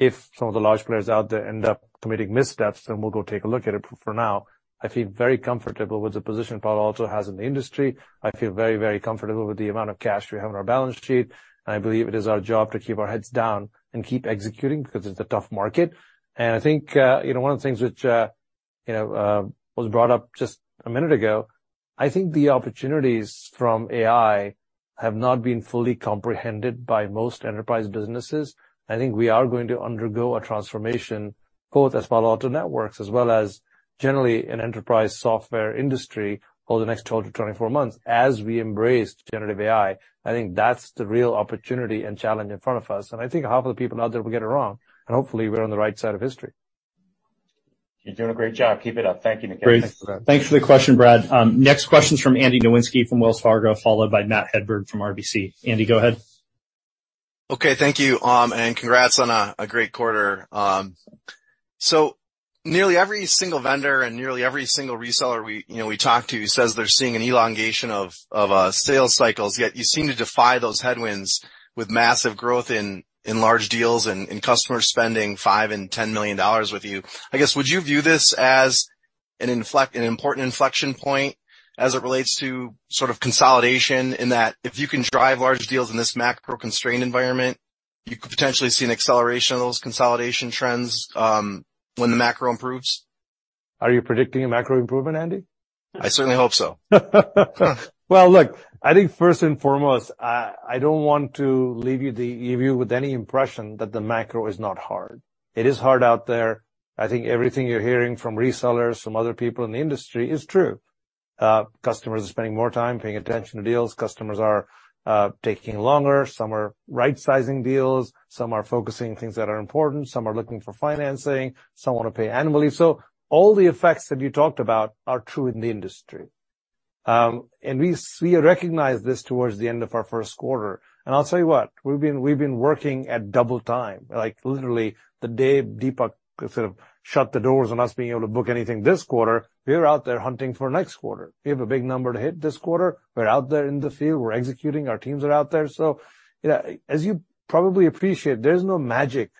If some of the large players out there end up committing missteps, then we'll go take a look at it. For now, I feel very comfortable with the position Palo Alto has in the industry. I feel very comfortable with the amount of cash we have on our balance sheet, and I believe it is our job to keep our heads down and keep executing because it's a tough market. I think, you know, one of the things which, you know, was brought up just a minute ago, I think the opportunities from AI have not been fully comprehended by most enterprise businesses. I think we are going to undergo a transformation, both as Palo Alto Networks as well as generally in enterprise software industry over the next 12-24 months as we embrace generative AI. I think that's the real opportunity and challenge in front of us. I think half of the people out there will get it wrong, and hopefully we're on the right side of history.
You're doing a great job. Keep it up. Thank you, Nikesh.
Great. Thanks for the question, Brad. Next question's from Andy Nowinski from Wells Fargo, followed by Matthew Hedberg from RBC. Andy, go ahead.
Okay, thank you, and congrats on a great quarter. Nearly every single vendor and nearly every single reseller we, you know, we talk to says they're seeing an elongation of sales cycles, yet you seem to defy those headwinds with massive growth in large deals and customers spending $5 million and $10 million with you. I guess, would you view this as an important inflection point as it relates to sort of consolidation in that if you can drive large deals in this macro-constrained environment, you could potentially see an acceleration of those consolidation trends when the macro improves?
Are you predicting a macro improvement, Andy?
I certainly hope so.
Well, look, I think first and foremost, I don't want to leave you with any impression that the macro is not hard. It is hard out there. I think everything you're hearing from resellers, from other people in the industry is true. Customers are spending more time paying attention to deals. Customers are taking longer. Some are right-sizing deals. Some are focusing on things that are important. Some are looking for financing. Some wanna pay annually. All the effects that you talked about are true in the industry. We recognized this towards the end of our first quarter. I'll tell you what, we've been working at double time. Like, literally the day Dipak sort of shut the doors on us being able to book anything this quarter, we were out there hunting for next quarter. We have a big number to hit this quarter. We're out there in the field. We're executing. Our teams are out there. You know, as you probably appreciate, there's no magic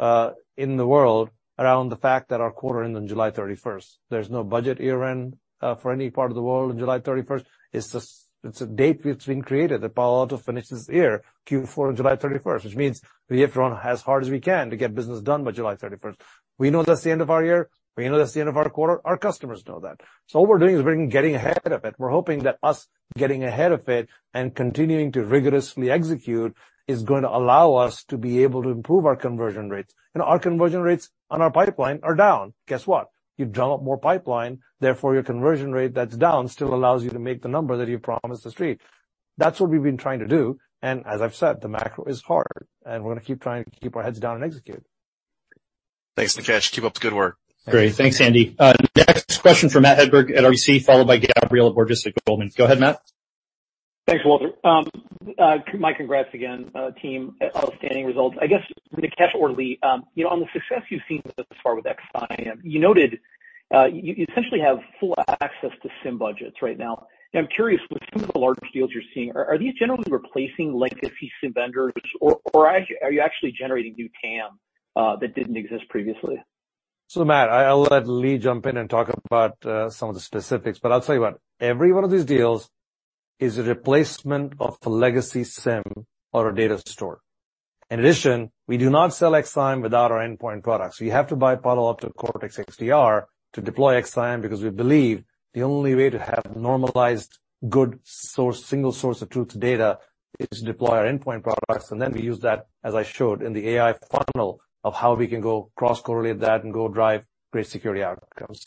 in the world around the fact that our quarter ended on July 31st. There's no budget year-end for any part of the world on July 31st. It's a date that's been created, that Palo Alto finishes the year, Q4 on July 31st, which means we have to run as hard as we can to get business done by July 31st. We know that's the end of our year. We know that's the end of our quarter. Our customers know that. What we're doing is we're getting ahead of it. We're hoping that us getting ahead of it and continuing to rigorously execute is gonna allow us to be able to improve our conversion rates. You know, our conversion rates on our pipeline are down. Guess what? You've developed more pipeline, therefore, your conversion rate that's down still allows you to make the number that you promised the street. That's what we've been trying to do. As I've said, the macro is hard, and we're gonna keep trying to keep our heads down and execute.
Thanks, Nikesh. Keep up the good work.
Great. Thanks, Andy. Next question from Matthew Hedberg at RBC, followed by Gabriela Borges at Goldman. Go ahead, Matt.
Thanks, Walter. My congrats again, team. Outstanding results. I guess, Nikesh or Lee, you know, on the success you've seen thus far with Cortex XSIAM, you noted, you essentially have full access to SIEM budgets right now. I'm curious, with some of the larger deals you're seeing, are these generally replacing legacy SIEM vendors or are you actually generating new TAM that didn't exist previously?
Matt, I'll let Lee jump in and talk about some of the specifics, but I'll tell you what, every one of these deals is a replacement of a legacy SIEM or a data store. In addition, we do not sell Cortex XSIAM without our endpoint products. You have to buy Palo Alto Cortex XDR to deploy Cortex XSIAM because we believe the only way to have normalized good source, single source of truth data is to deploy our endpoint products, and then we use that, as I showed in the AI funnel, of how we can go cross-correlate that and go drive great security outcomes.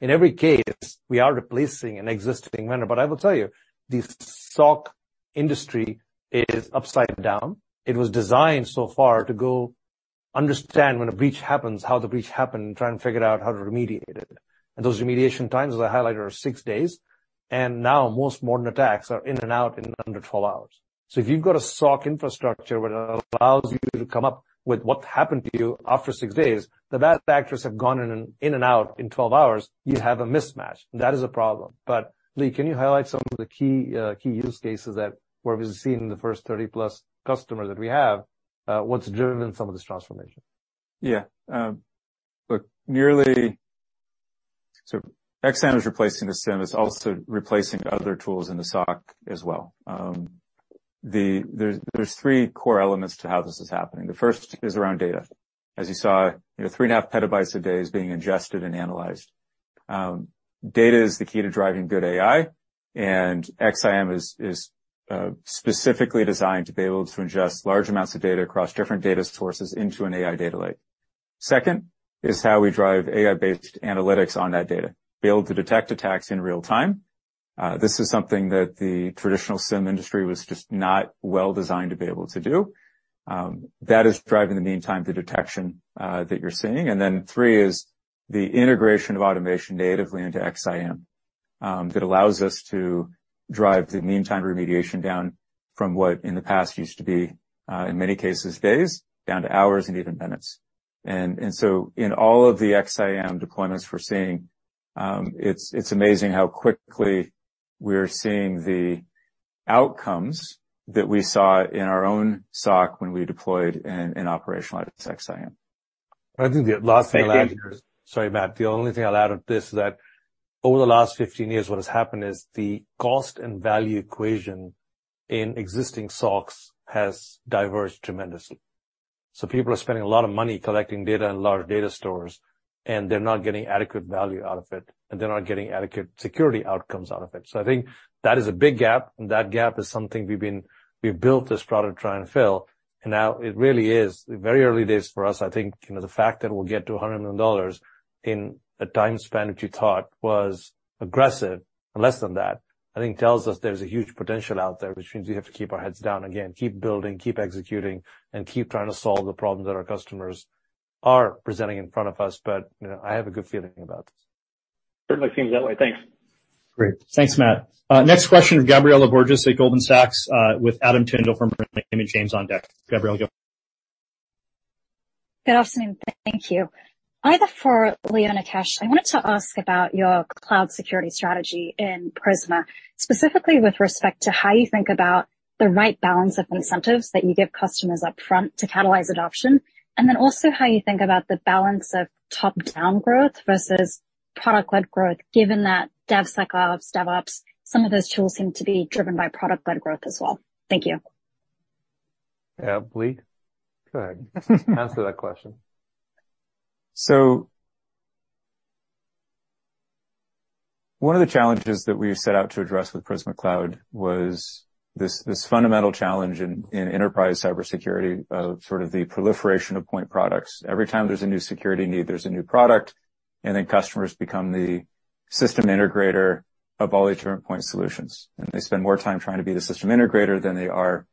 In every case, we are replacing an existing vendor. I will tell you, the SOC industry is upside down. Understand when a breach happens, how the breach happened, and try and figure out how to remediate it. Those remediation times, as I highlighted, are six days, and now most modern attacks are in and out in under 12 hours. If you've got a SOC infrastructure that allows you to come up with what happened to you after six days, the bad actors have gone in and out in 12 hours. You have a mismatch. That is a problem. Lee, can you highlight some of the key use cases that where we've seen the 1st 30+ customers that we have, what's driven some of this transformation?
Yeah. XSIAM is replacing the SIEM, it's also replacing other tools in the SOC as well. There's three core elements to how this is happening. The first is around data. As you saw, you know, 3.5 PB a day is being ingested and analyzed. Data is the key to driving good AI, and XSIAM is specifically designed to be able to ingest large amounts of data across different data sources into an AI data lake. Second is how we drive AI-based analytics on that data, be able to detect attacks in real-time. This is something that the traditional SIEM industry was just not well designed to be able to do. That is driving the meantime to detection that you're seeing. Three is the integration of automation natively into XSIAM, that allows us to drive the meantime remediation down from what in the past used to be, in many cases, days, down to hours and even minutes. In all of the XSIAM deployments we're seeing, it's amazing how quickly we're seeing the outcomes that we saw in our own SOC when we deployed and operationalized XSIAM.
I think the last thing I'll add here.
Thank you.
Sorry, Matt. The only thing I'll add on this is that over the last 15 years, what has happened is the cost and value equation in existing SOCs has diverged tremendously. People are spending a lot of money collecting data in large data stores, and they're not getting adequate value out of it, and they're not getting adequate security outcomes out of it. I think that is a big gap, and that gap is something we've built this product to try and fill. Now it really is very early days for us. I think, you know, the fact that we'll get to $100 million in a time span that you thought was aggressive, less than that, I think tells us there's a huge potential out there, which means we have to keep our heads down again, keep building, keep executing, and keep trying to solve the problems that our customers are presenting in front of us. You know, I have a good feeling about this.
Certainly seems that way. Thanks.
Great.
Thanks, Matt. Next question of Gabriela Borges at Goldman Sachs, with Adam Tindle from Bloomberg, and James on deck. Gabriela.
Good afternoon. Thank you. Either for Lee or Nikesh, I wanted to ask about your cloud security strategy in Prisma, specifically with respect to how you think about the right balance of incentives that you give customers upfront to catalyze adoption, and then also how you think about the balance of top-down growth versus product-led growth, given that DevSecOps, DevOps, some of those tools seem to be driven by product-led growth as well. Thank you.
Yeah. Lee? Go ahead. Answer that question.
One of the challenges that we set out to address with Prisma Cloud was this fundamental challenge in enterprise cybersecurity of sort of the proliferation of point products. Every time there's a new security need, there's a new product, and then customers become the system integrator of all these different point solutions. They spend more time trying to be the system integrator than they are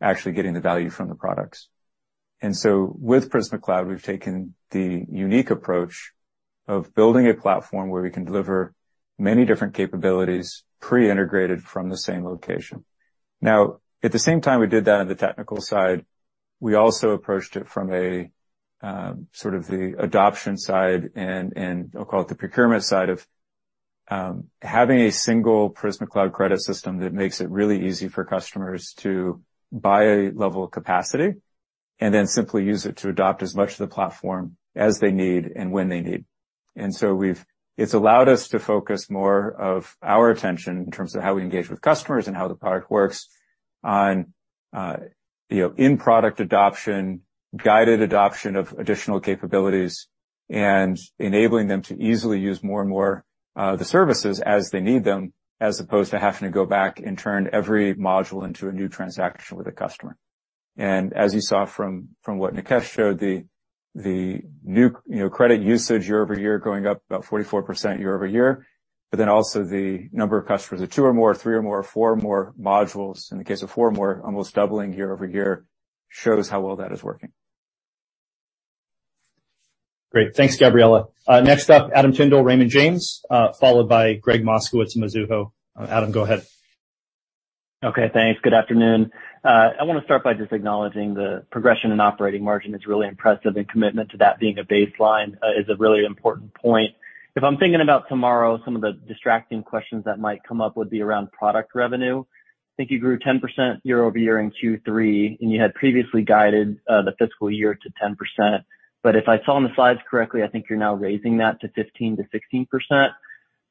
actually getting the value from the products. With Prisma Cloud, we've taken the unique approach of building a platform where we can deliver many different capabilities pre-integrated from the same location. Now, at the same time we did that on the technical side, we also approached it from a, sort of the adoption side, and I'll call it the procurement side of, having a single Prisma Cloud credit system that makes it really easy for customers to buy a level of capacity and then simply use it to adopt as much of the platform as they need and when they need. It's allowed us to focus more of our attention in terms of how we engage with customers and how the product works on, you know, in product adoption, guided adoption of additional capabilities, and enabling them to easily use more and more, the services as they need them, as opposed to having to go back and turn every module into a new transaction with a customer. As you saw from what Nikesh showed, the new, you know, credit usage year-over-year going up about 44% year-over-year. Also the number of customers with two or more, three or more, four or more modules, in the case of four or more, almost doubling year-over-year, shows how well that is working.
Great. Thanks, Gabriela. Next up, Adam Tindle, Raymond James, followed by Gregg Moskowitz, Mizuho. Adam, go ahead.
Okay, thanks. Good afternoon. I want to start by just acknowledging the progression in operating margin is really impressive. Commitment to that being a baseline is a really important point. If I'm thinking about tomorrow, some of the distracting questions that might come up would be around product revenue. I think you grew 10% year-over-year in Q3. You had previously guided the fiscal year to 10%. If I saw on the slides correctly, I think you're now raising that to 15%-16%.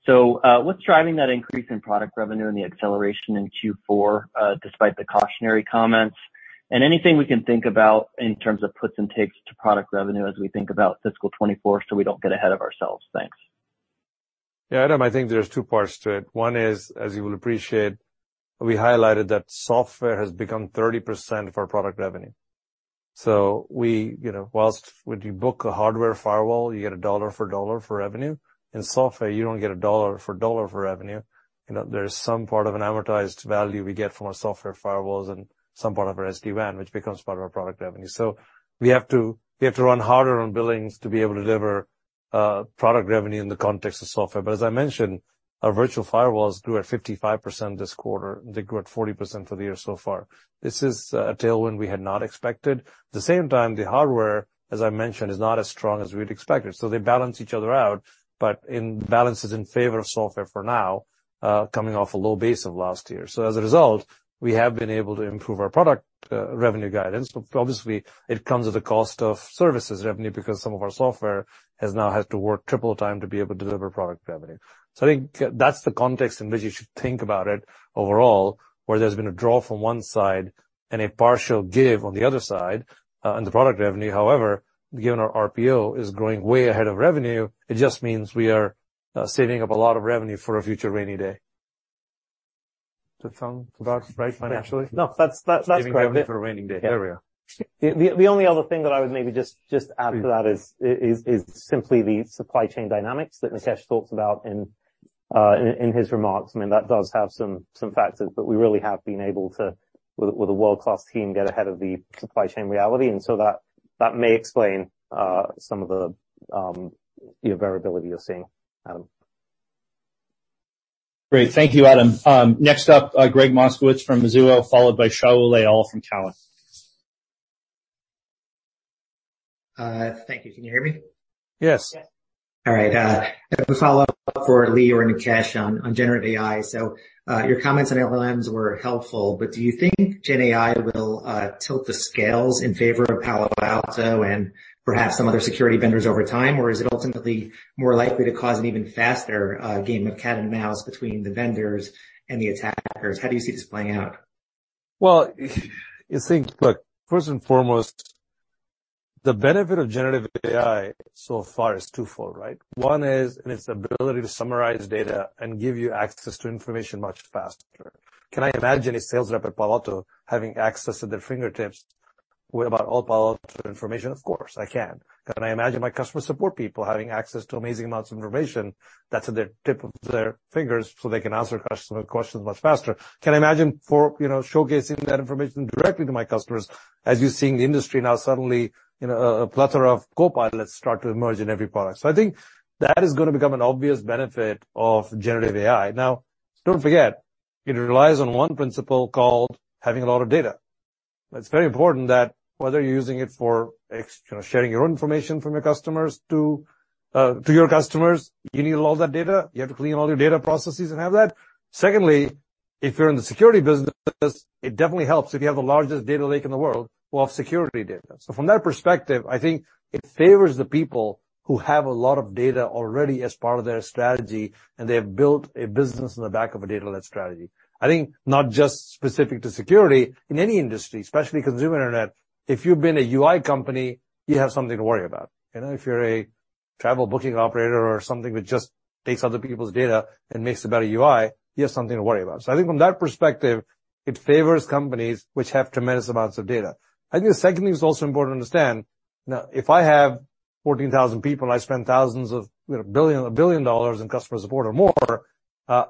What's driving that increase in product revenue and the acceleration in Q4 despite the cautionary comments? Anything we can think about in terms of puts and takes to product revenue as we think about fiscal 2024, so we don't get ahead of ourselves. Thanks.
Yeah, Adam, I think there's two parts to it. One is, as you will appreciate, we highlighted that software has become 30% of our product revenue. We, you know, whilst when you book a hardware firewall, you get a $1 for $1 for revenue. In software, you don't get a $1 for $1 for revenue. You know, there's some part of an amortized value we get from our software firewalls and some part of our SD-WAN, which becomes part of our product revenue. We have to, we have to run harder on billings to be able to deliver product revenue in the context of software. As I mentioned, our virtual firewalls grew at 55% this quarter. They grew at 40% for the year so far. This is a tailwind we had not expected. At the same time, the hardware, as I mentioned, is not as strong as we'd expected, so they balance each other out. In balance is in favor of software for now, coming off a low base of last year. As a result, we have been able to improve our product revenue guidance. Obviously it comes at the cost of services revenue because some of our software has now had to work triple time to be able to deliver product revenue. I think that's the context in which you should think about it overall, where there's been a draw from one side and a partial give on the other side on the product revenue. However, given our RPO is growing way ahead of revenue, it just means we are saving up a lot of revenue for a future rainy day. Does that sound about right financially?
No, that's great.
Saving revenue for a rainy day. There we are.
The only other thing that I would maybe just add to that is simply the supply chain dynamics that Nikesh talks about in his remarks. I mean, that does have some factors, but we really have been able to, with a world-class team, get ahead of the supply chain reality, and so that may explain some of the, you know, variability you're seeing. Adam.
Great. Thank you, Adam. next up, Gregg Moskowitz from Mizuho, followed by Shaul Eyal from Cowen.
Thank you. Can you hear me?
Yes.
All right. A follow-up for Lee or Nikesh on generative AI. Your comments on LLMs were helpful, but do you think gen AI will tilt the scales in favor of Palo Alto and perhaps some other security vendors over time? Is it ultimately more likely to cause an even faster game of cat and mouse between the vendors and the attackers? How do you see this playing out?
Well, you think. Look, first and foremost, the benefit of generative AI so far is twofold, right? One is in its ability to summarize data and give you access to information much faster. Can I imagine a sales rep at Palo Alto having access at their fingertips with about all Palo Alto information? Of course, I can. Can I imagine my customer support people having access to amazing amounts of information that's at their tip of their fingers, so they can answer customer questions much faster? Can I imagine for, you know, showcasing that information directly to my customers, as you're seeing the industry now suddenly, you know, a plethora of copilot start to emerge in every product? I think that is gonna become an obvious benefit of generative AI. Now, don't forget, it relies on one principle called having a lot of data. It's very important that whether you're using it for you know, sharing your own information from your customers to to your customers, you need all that data. You have to clean all your data processes and have that. Secondly, if you're in the security business, it definitely helps if you have the largest data lake in the world of security data. From that perspective, I think it favors the people who have a lot of data already as part of their strategy, and they have built a business on the back of a data lake strategy. I think not just specific to security, in any industry, especially consumer internet, if you've been a UI company, you have something to worry about. You know, if you're a travel booking operator or something that just takes other people's data and makes a better UI, you have something to worry about. I think from that perspective, it favors companies which have tremendous amounts of data. I think the second thing is also important to understand. If I have 14,000 people and I spend $1 billion in customer support or more,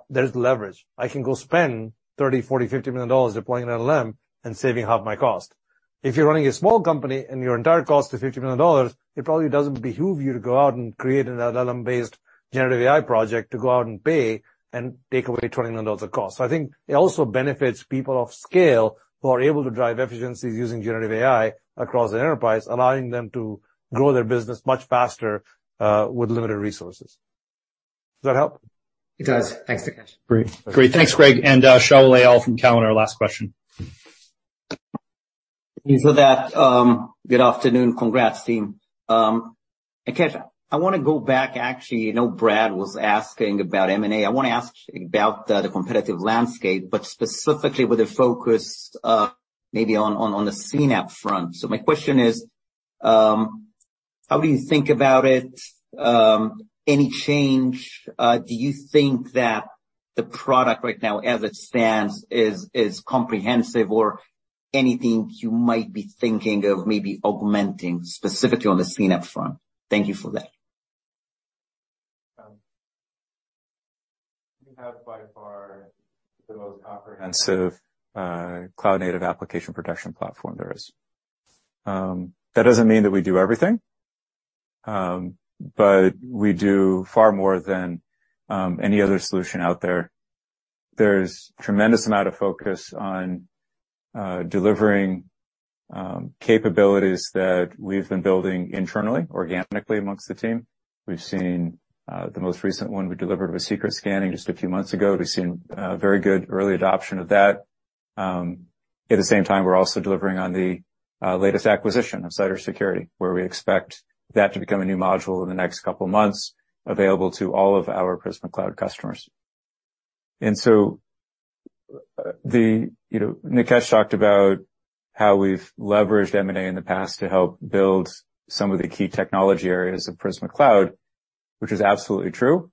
there's leverage. I can go spend $30 million, $40 million, $50 million deploying an LLM and saving half my cost. If you're running a small company and your entire cost is $50 million, it probably doesn't behoove you to go out and create an LLM-based generative AI project to go out and pay and take away $20 million of cost. I think it also benefits people of scale who are able to drive efficiencies using generative AI across the enterprise, allowing them to grow their business much faster, with limited resources. Does that help?
It does. Thanks, Nikesh.
Great. Great. Thanks, Gregg. Shaul Eyal from Cowen, our last question.
Thank you for that. Good afternoon. Congrats, team. Nikesh, I wanna go back actually. You know, Brad was asking about M&A. I wanna ask about the competitive landscape, but specifically with a focus, maybe on the CNAPP front. My question is, how do you think about it? Any change? Do you think that the product right now as it stands is comprehensive or anything you might be thinking of maybe augmenting specifically on the CNAPP front? Thank you for that.
We have by far the most comprehensive Cloud Native Application Protection Platform there is. That doesn't mean that we do everything, but we do far more than any other solution out there. There's tremendous amount of focus on delivering capabilities that we've been building internally, organically amongst the team. We've seen the most recent one we delivered was secret scanning just a few months ago. We've seen very good early adoption of that. At the same time, we're also delivering on the latest acquisition of cybersecurity, where we expect that to become a new module in the next couple of months available to all of our Prisma Cloud customers. The... You know, Nikesh talked about how we've leveraged M&A in the past to help build some of the key technology areas of Prisma Cloud, which is absolutely true.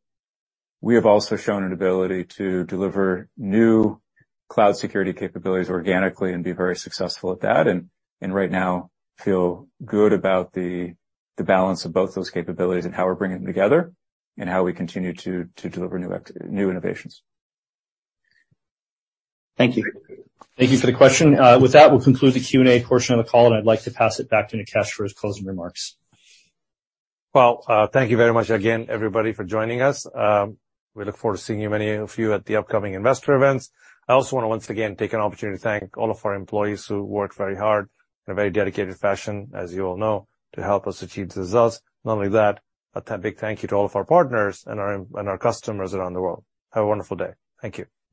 We have also shown an ability to deliver new cloud security capabilities organically and be very successful at that, and right now feel good about the balance of both those capabilities and how we're bringing them together and how we continue to deliver new innovations.
Thank you. Thank you for the question. With that, we'll conclude the Q&A portion of the call, and I'd like to pass it back to Nikesh for his closing remarks.
Well, thank you very much again, everybody, for joining us. We look forward to seeing you, many of you, at the upcoming investor events. I also wanna once again take an opportunity to thank all of our employees who work very hard in a very dedicated fashion, as you all know, to help us achieve the results. Not only that, a big thank you to all of our partners and our customers around the world. Have a wonderful day. Thank you.